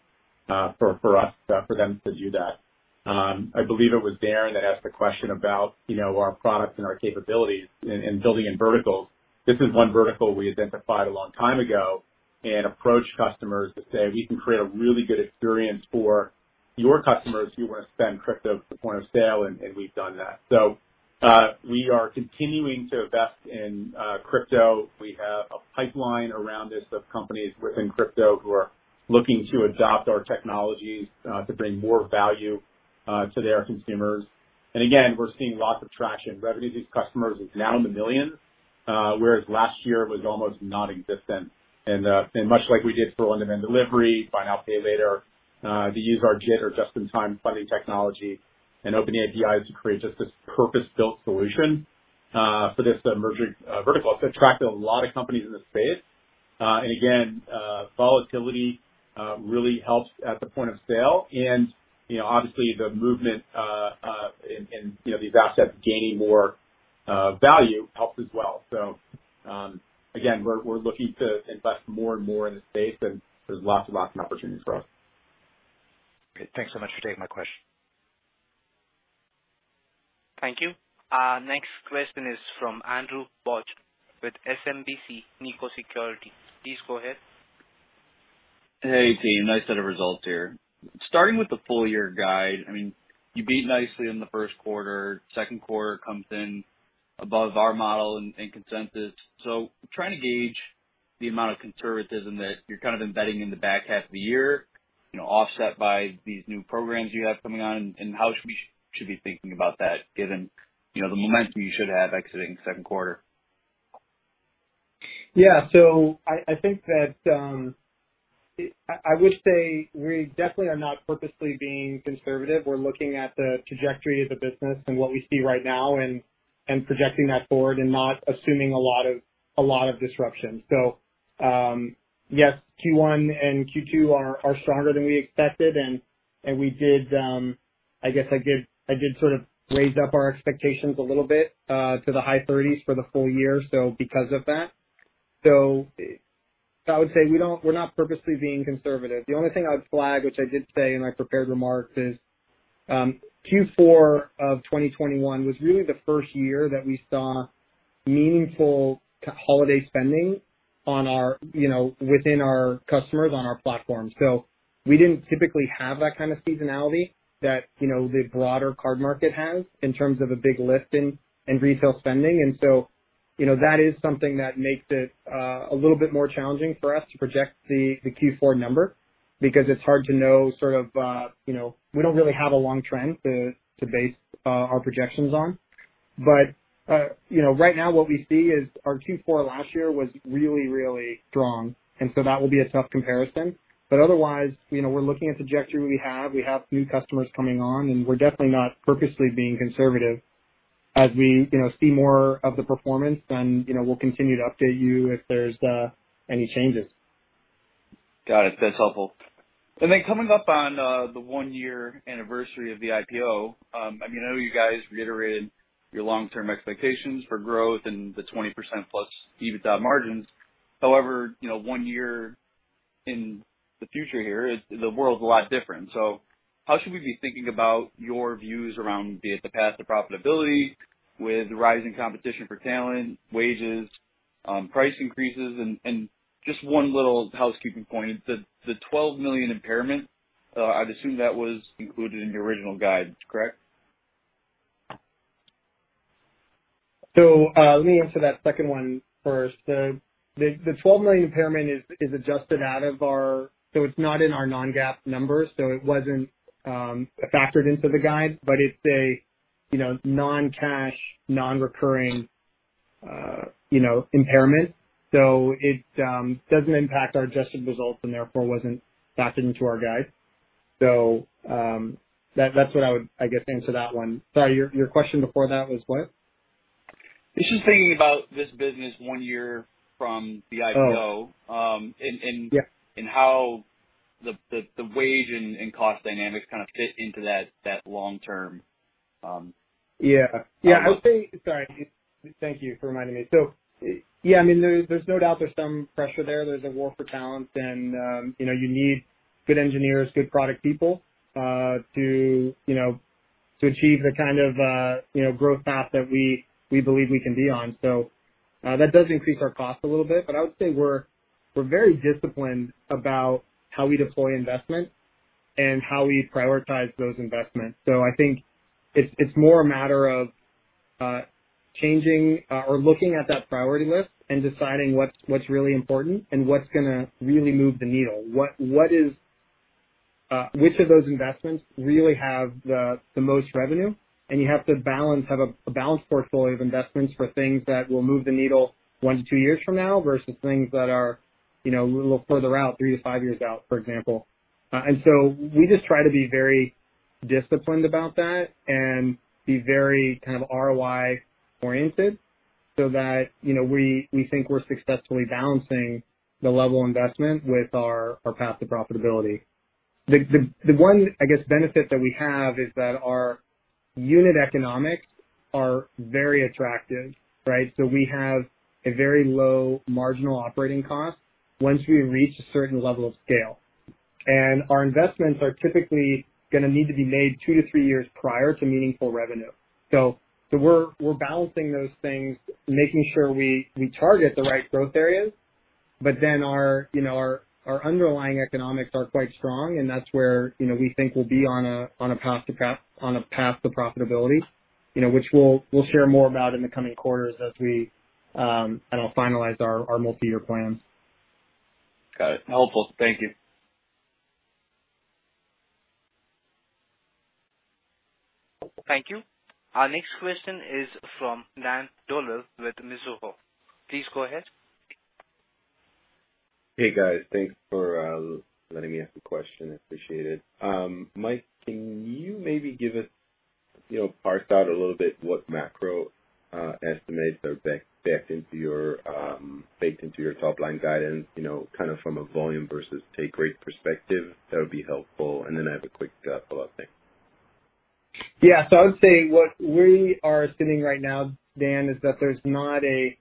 for them to do that. I believe it was Darrin that asked the question about, you know, our products and our capabilities in building in verticals. This is one vertical we identified a long time ago and approached customers to say, "We can create a really good experience for your customers who wanna spend crypto at the point of sale." We've done that. We are continuing to invest in crypto. We have a pipeline around this of companies within crypto who are looking to adopt our technologies to bring more value to their consumers. Again, we're seeing lots of traction. Revenue to these customers is now in the million, whereas last year was almost nonexistent. Much like we did for on-demand delivery, buy now, pay later, they use our JIT or just-in-time funding technology and open APIs to create just this purpose-built solution for this emerging vertical. Attracted a lot of companies in the space. Again, volatility really helps at the point of sale. You know, obviously the movement in you know, these assets gaining more value helps as well. Again, we're looking to invest more and more in the space and there's lots and lots of opportunities for us. Okay. Thanks so much for taking my question. Thank you. Next question is from Andrew Bauch with SMBC Nikko Securities. Please go ahead. Hey, team. Nice set of results here. Starting with the full year guide, I mean, you beat nicely in the first quarter. Second quarter comes in above our model and consensus. Trying to gauge the amount of conservatism that you're kind of embedding in the back half of the year, you know, offset by these new programs you have coming on, and how we should be thinking about that given, you know, the momentum you should have exiting second quarter. Yeah. I think that I would say we definitely are not purposely being conservative. We're looking at the trajectory of the business and what we see right now and projecting that forward and not assuming a lot of disruption. Yes, Q1 and Q2 are stronger than we expected. I guess I did sort of raise up our expectations a little bit to the high 30s for the full year because of that. I would say we don't. We're not purposely being conservative. The only thing I would flag, which I did say in my prepared remarks, is Q4 of 2021 was really the first year that we saw meaningful holiday spending, you know, within our customers on our platform. We didn't typically have that kind of seasonality that, you know, the broader card market has in terms of a big lift in retail spending. You know, that is something that makes it a little bit more challenging for us to project the Q4 number because it's hard to know sort of, you know, we don't really have a long trend to base our projections on. You know, right now what we see is our Q4 last year was really strong, and so that will be a tough comparison. Otherwise, you know, we're looking at the trajectory we have. We have new customers coming on, and we're definitely not purposely being conservative. As we, you know, see more of the performance then, you know, we'll continue to update you if there's any changes. Got it. That's helpful. Then coming up on the one-year anniversary of the IPO, I mean, I know you guys reiterated your long-term expectations for growth and the 20%+ EBITDA margins. However, you know, one year in the future here is the world's a lot different. How should we be thinking about your views around be it the path to profitability with rising competition for talent, wages, price increases? Just one little housekeeping point. The $12 million impairment, I'd assume that was included in the original guidance, correct? Let me answer that second one first. The $12 million impairment is adjusted out of our. It's not in our non-GAAP numbers, so it wasn't factored into the guide. But it's a you know, non-cash, non-recurring you know, impairment, so it doesn't impact our adjusted results and therefore wasn't factored into our guide. That's what I would, I guess, answer that one. Sorry, your question before that was what? It's just thinking about this business one year from the IPO. Oh. -um, and- Yeah. how the wage and cost dynamics kind of fit into that long term. Yeah, I would say. Sorry. Thank you for reminding me. Yeah, I mean, there's no doubt there's some pressure there. There's a war for talent and you know, you need good engineers, good product people to you know, to achieve the kind of you know, growth path that we believe we can be on. That does increase our cost a little bit. I would say we're very disciplined about how we deploy investment and how we prioritize those investments. I think it's more a matter of changing or looking at that priority list and deciding what's really important and what's gonna really move the needle. Which of those investments really have the most revenue? You have to balance a balanced portfolio of investments for things that will move the needle one to two years from now versus things that are, you know, a little further out, three to five years out, for example. We just try to be very disciplined about that and be very kind of ROI oriented so that, you know, we think we're successfully balancing the level of investment with our path to profitability. The one, I guess, benefit that we have is that our unit economics are very attractive, right? We have a very low marginal operating cost once we reach a certain level of scale. Our investments are typically gonna need to be made two to three years prior to meaningful revenue. We're balancing those things, making sure we target the right growth areas, but then our, you know, our underlying economics are quite strong, and that's where, you know, we think we'll be on a path to profitability, you know, which we'll share more about in the coming quarters as we kind of finalize our multiyear plans. Got it. Helpful. Thank you. Thank you. Our next question is from Dan Dolev with Mizuho. Please go ahead. Hey, guys. Thanks for letting me ask a question. Appreciate it. Mike, can you maybe give a you know parse out a little bit what macro estimates are baked into your top line guidance, you know, kind of from a volume versus take rate perspective? That would be helpful. I have a quick follow-up. Thanks. Yeah. I would say what we are assuming right now, Dan, is that there's not a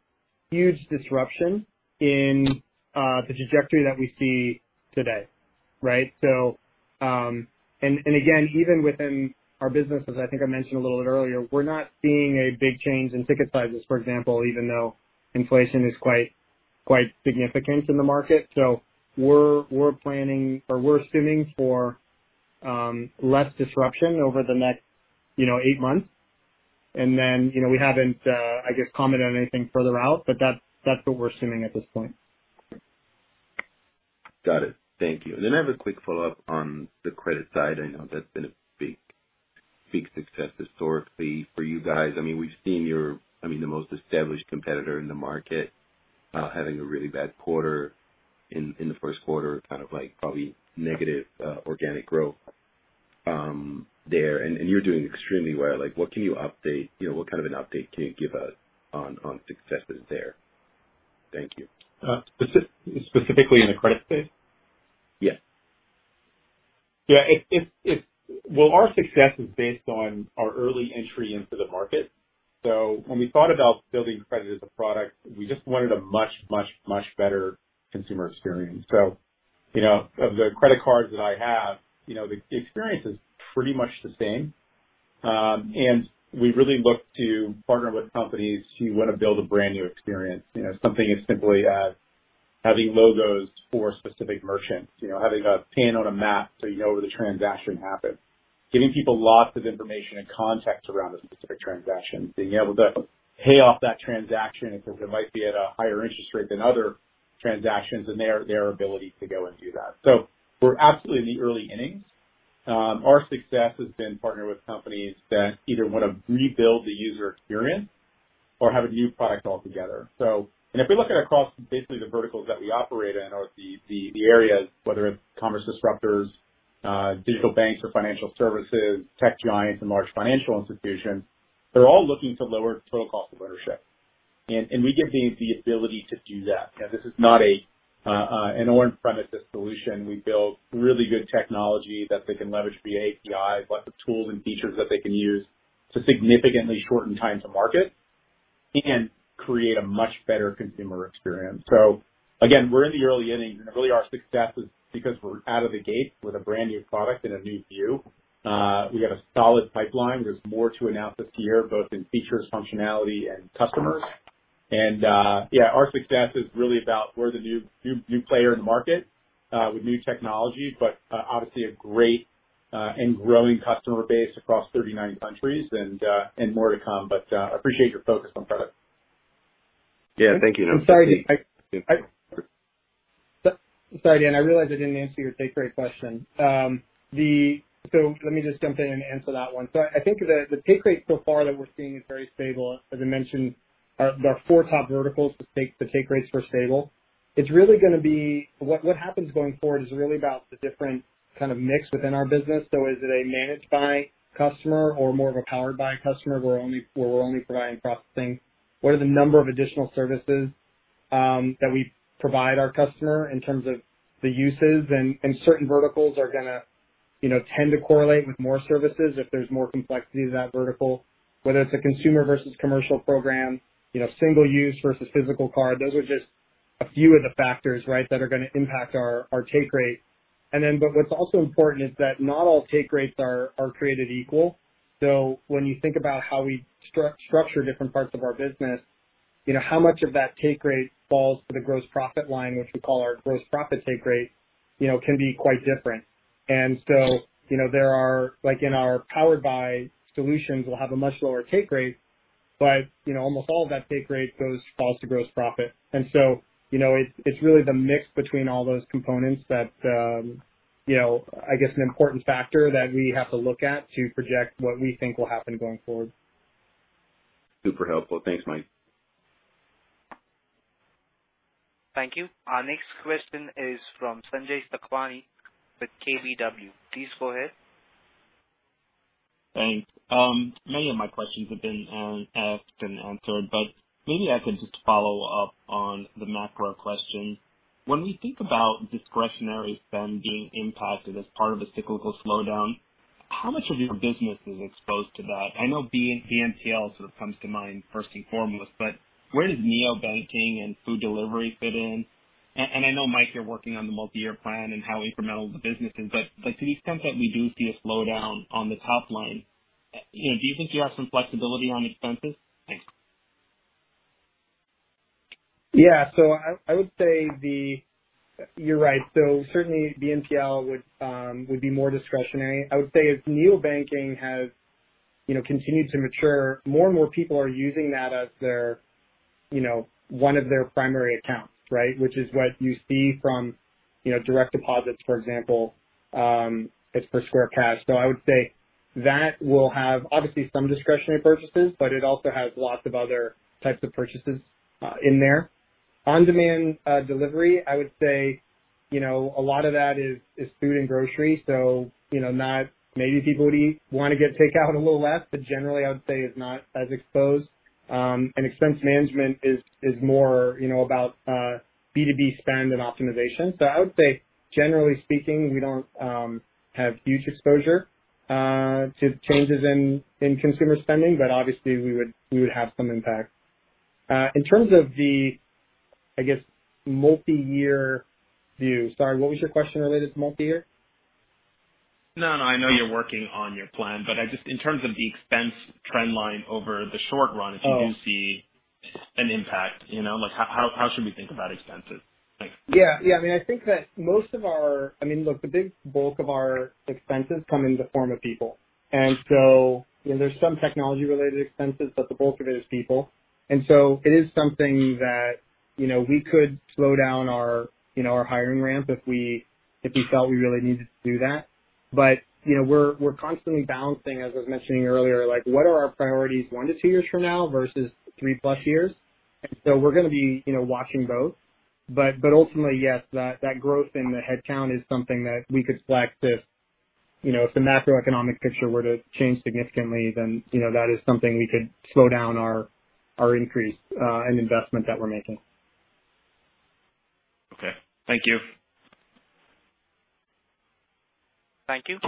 huge disruption in the trajectory that we see today, right? And again, even within our business, as I think I mentioned a little bit earlier, we're not seeing a big change in ticket sizes, for example, even though inflation is quite significant in the market. We're planning or we're assuming for less disruption over the next, you know, eight months. And then, you know, we haven't, I guess, commented on anything further out, but that's what we're assuming at this point. Got it. Thank you. I have a quick follow-up on the credit side. I know that's been a big, big success historically for you guys. I mean, we've seen your, I mean, the most established competitor in the market having a really bad quarter in the first quarter, kind of like probably negative organic growth there. You're doing extremely well. Like, what can you update, you know, what kind of an update can you give us on successes there? Thank you. Specifically in the credit space? Yes. Yeah. It's. Well, our success is based on our early entry into the market. When we thought about building credit as a product, we just wanted a much better consumer experience. You know, of the credit cards that I have, you know, the experience is pretty much the same. We really look to partner with companies who wanna build a brand new experience. You know, something as simply as having logos for specific merchants. You know, having a pin on a map so you know where the transaction happened. Giving people lots of information and context around a specific transaction. Being able to pay off that transaction if it might be at a higher interest rate than other transactions and their ability to go and do that. We're absolutely in the early innings. Our success has been partnering with companies that either wanna rebuild the user experience or have a new product altogether. If we look at across basically the verticals that we operate in or the areas, whether it's commerce disruptors, digital banks or financial services, tech giants, and large financial institutions, they're all looking to lower total cost of ownership. We give them the ability to do that. This is not an on-premise solution. We build really good technology that they can leverage via API, lots of tools and features that they can use to significantly shorten time to market and create a much better consumer experience. Again, we're in the early innings, and really our success is because we're out of the gate with a brand new product and a new view. We've got a solid pipeline. There's more to announce this year, both in features, functionality, and customers. Yeah, our success is really about we're the new player in the market with new technology, but obviously a great and growing customer base across 39 countries and more to come. Appreciate your focus on product. Yeah. Thank you. Sorry, Dan, I realized I didn't answer your take rate question. Let me just jump in and answer that one. I think the take rate so far that we're seeing is very stable. As I mentioned, there are four top verticals, the take rates were stable. It's really gonna be what happens going forward is really about the different kind of mix within our business. Is it a Managed by customer or more of a Powered by customer where we're only providing processing? What are the number of additional services that we provide our customer in terms of the uses? Certain verticals are gonna, you know, tend to correlate with more services if there's more complexity to that vertical. Whether it's a consumer versus commercial program, you know, single use versus physical card, those are just a few of the factors, right, that are gonna impact our take rate. What's also important is that not all take rates are created equal. When you think about how we structure different parts of our business, you know, how much of that take rate falls to the gross profit line, which we call our gross profit take rate, you know, can be quite different. There are, like, in our Powered by solutions, we'll have a much lower take rate, but, you know, almost all of that take rate falls to gross profit. You know, it's really the mix between all those components that, you know, I guess an important factor that we have to look at to project what we think will happen going forward. Super helpful. Thanks, Mike. Thank you. Our next question is from Sanjay Sakhrani with KBW. Please go ahead. Thanks. Many of my questions have been asked and answered, but maybe I can just follow up on the macro question. When we think about discretionary spend being impacted as part of a cyclical slowdown, how much of your business is exposed to that? I know BNPL sort of comes to mind first and foremost, but where does neobanking and food delivery fit in? I know, Mike, you're working on the multi-year plan and how incremental the business is, but, like, to the extent that we do see a slowdown on the top line, you know, do you think you have some flexibility on expenses? Thanks. Yeah. I would say, you're right. Certainly BNPL would be more discretionary. I would say as neobanking has, you know, continued to mature, more and more people are using that as their, you know, one of their primary accounts, right? Which is what you see from, you know, direct deposits, for example, as per Cash App. I would say that will have obviously some discretionary purchases, but it also has lots of other types of purchases in there. On-demand delivery, I would say, you know, a lot of that is food and grocery, so, you know, not maybe people would wanna get takeout a little less, but generally I would say is not as exposed. Expense management is more, you know, about B2B spend and optimization. I would say generally speaking, we don't have huge exposure to changes in consumer spending, but obviously we would have some impact. In terms of the, I guess, multi-year view. Sorry, what was your question related to multi-year? No, no, I know you're working on your plan, but I just, in terms of the expense trend line over the short run. Oh. If you do see an impact, you know. Like, how should we think about expenses? Thanks. Yeah. I mean, I think that most of our, I mean, look, the big bulk of our expenses come in the form of people. So, you know, there's some technology related expenses, but the bulk of it is people. It is something that, you know, we could slow down our, you know, our hiring ramp if we felt we really needed to do that. You know, we're constantly balancing, as I was mentioning earlier, like what are our priorities one to two years from now versus three plus years? We're gonna be, you know, watching both. Ultimately, yes, that growth in the headcount is something that we could flex if, you know, if the macroeconomic picture were to change significantly, then, you know, that is something we could slow down our increase and investment that we're making. Okay. Thank you. Thank you.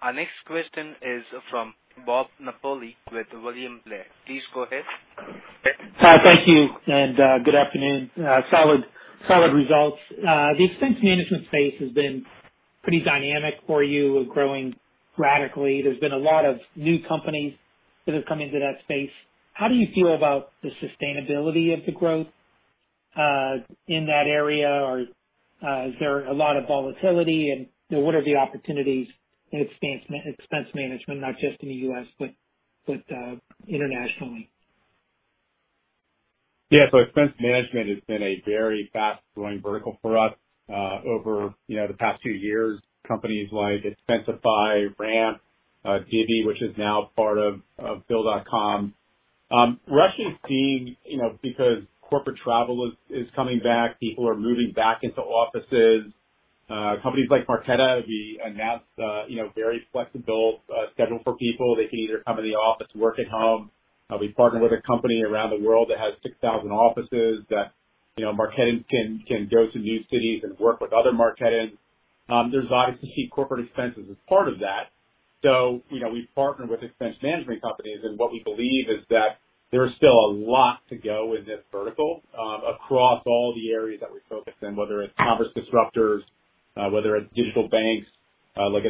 Our next question is from Bob Napoli with William Blair. Please go ahead. Thank you and good afternoon. Solid results. The expense management space has been pretty dynamic for you, growing rapidly. There's been a lot of new companies that have come into that space. How do you feel about the sustainability of the growth in that area? Or is there a lot of volatility? You know, what are the opportunities in expense management, not just in the U.S., but internationally? Yeah, expense management has been a very fast-growing vertical for us, over, you know, the past two years. Companies like Expensify, Ramp, Divvy, which is now part of Bill.com. We're actually seeing, you know, because corporate travel is coming back, people are moving back into offices. Companies like Marqeta, we announced, you know, very flexible schedule for people. They can either come in the office, work at home. We partner with a company around the world that has 6,000 offices that, you know, Marqeta can go to new cities and work with other Marqetans. There's obviously corporate expenses as part of that. You know, we've partnered with expense management companies, and what we believe is that there is still a lot to go in this vertical across all the areas that we're focused in, whether it's commerce disruptors, whether it's digital banks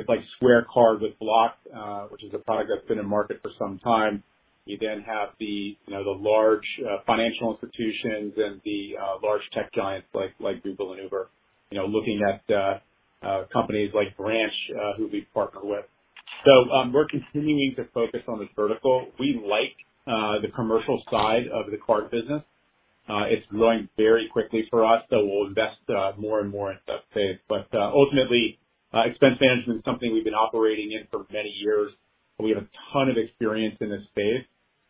like Square Card with Block, which is a product that's been in market for some time. You then have the, you know, the large financial institutions and the large tech giants like Google and Uber. You know, looking at companies like Branch, who we've partnered with. We're continuing to focus on this vertical. We like the commercial side of the card business. It's growing very quickly for us so we'll invest more and more in that space. Ultimately, expense management is something we've been operating in for many years, and we have a ton of experience in this space.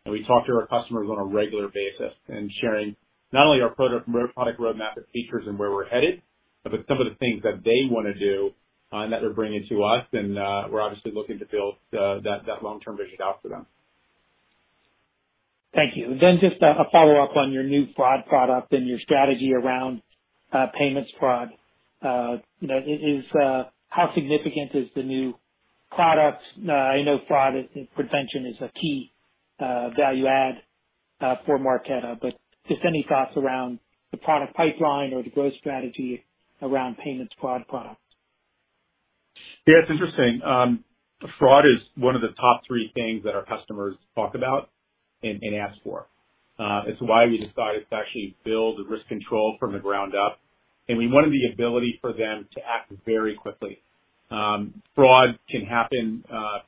We talk to our customers on a regular basis and sharing not only our product, our product roadmap of features and where we're headed, but some of the things that they wanna do, and that they're bringing to us. We're obviously looking to build that long-term vision out for them. Thank you. Just a follow-up on your new fraud product and your strategy around payments fraud. You know, how significant is the new product? I know fraud prevention is a key value add for Marqeta, but just any thoughts around the product pipeline or the growth strategy around payments fraud products. Yeah, it's interesting. Fraud is one of the top three things that our customers talk about and ask for. It's why we decided to actually build RiskControl from the ground up, and we wanted the ability for them to act very quickly. Fraud can happen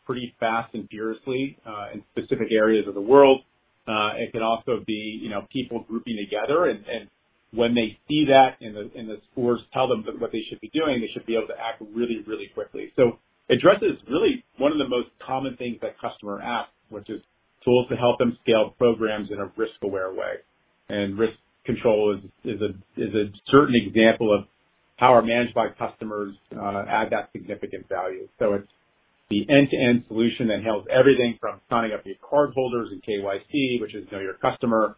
pretty fast and furiously in specific areas of the world. It can also be, you know, people grouping together and when they see that and the scores tell them that what they should be doing, they should be able to act really, really quickly. So it addresses really one of the most common things that customers ask, which is tools to help them scale programs in a risk aware way. RiskControl is a certain example of how our Managed by Marqeta customers add that significant value. It's the end-to-end solution that handles everything from signing up your cardholders and KYC, which is Know Your Customer,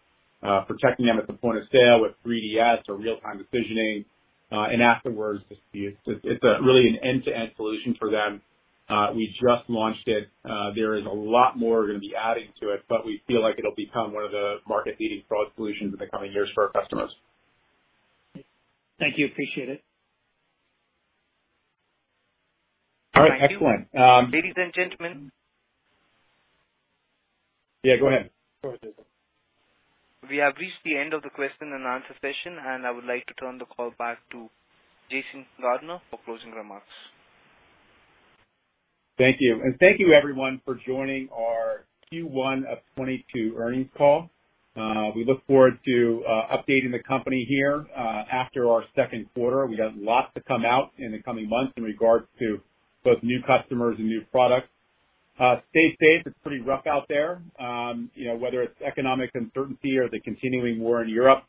protecting them at the point of sale with 3DS or Real-Time Decisioning, and afterwards. It's a really an end-to-end solution for them. We just launched it. There is a lot more we're gonna be adding to it, but we feel like it'll become one of the market leading fraud solutions in the coming years for our customers. Thank you. Appreciate it. All right. Excellent. Ladies and gentlemen. Yeah, go ahead. Go ahead. We have reached the end of the question and answer session, and I would like to turn the call back to Jason Gardner for closing remarks. Thank you. Thank you everyone for joining our Q1 of 2022 earnings call. We look forward to updating the company here after our second quarter. We got lots to come out in the coming months in regards to both new customers and new products. Stay safe. It's pretty rough out there. You know, whether it's economic uncertainty or the continuing war in Europe.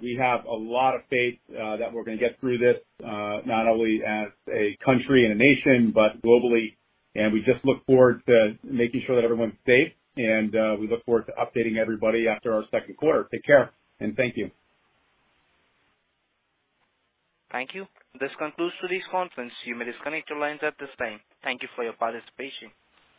We have a lot of faith that we're gonna get through this, not only as a country and a nation, but globally. We just look forward to making sure that everyone's safe and we look forward to updating everybody after our second quarter. Take care and thank you. Thank you. This concludes today's conference. You may disconnect your lines at this time. Thank you for your participation.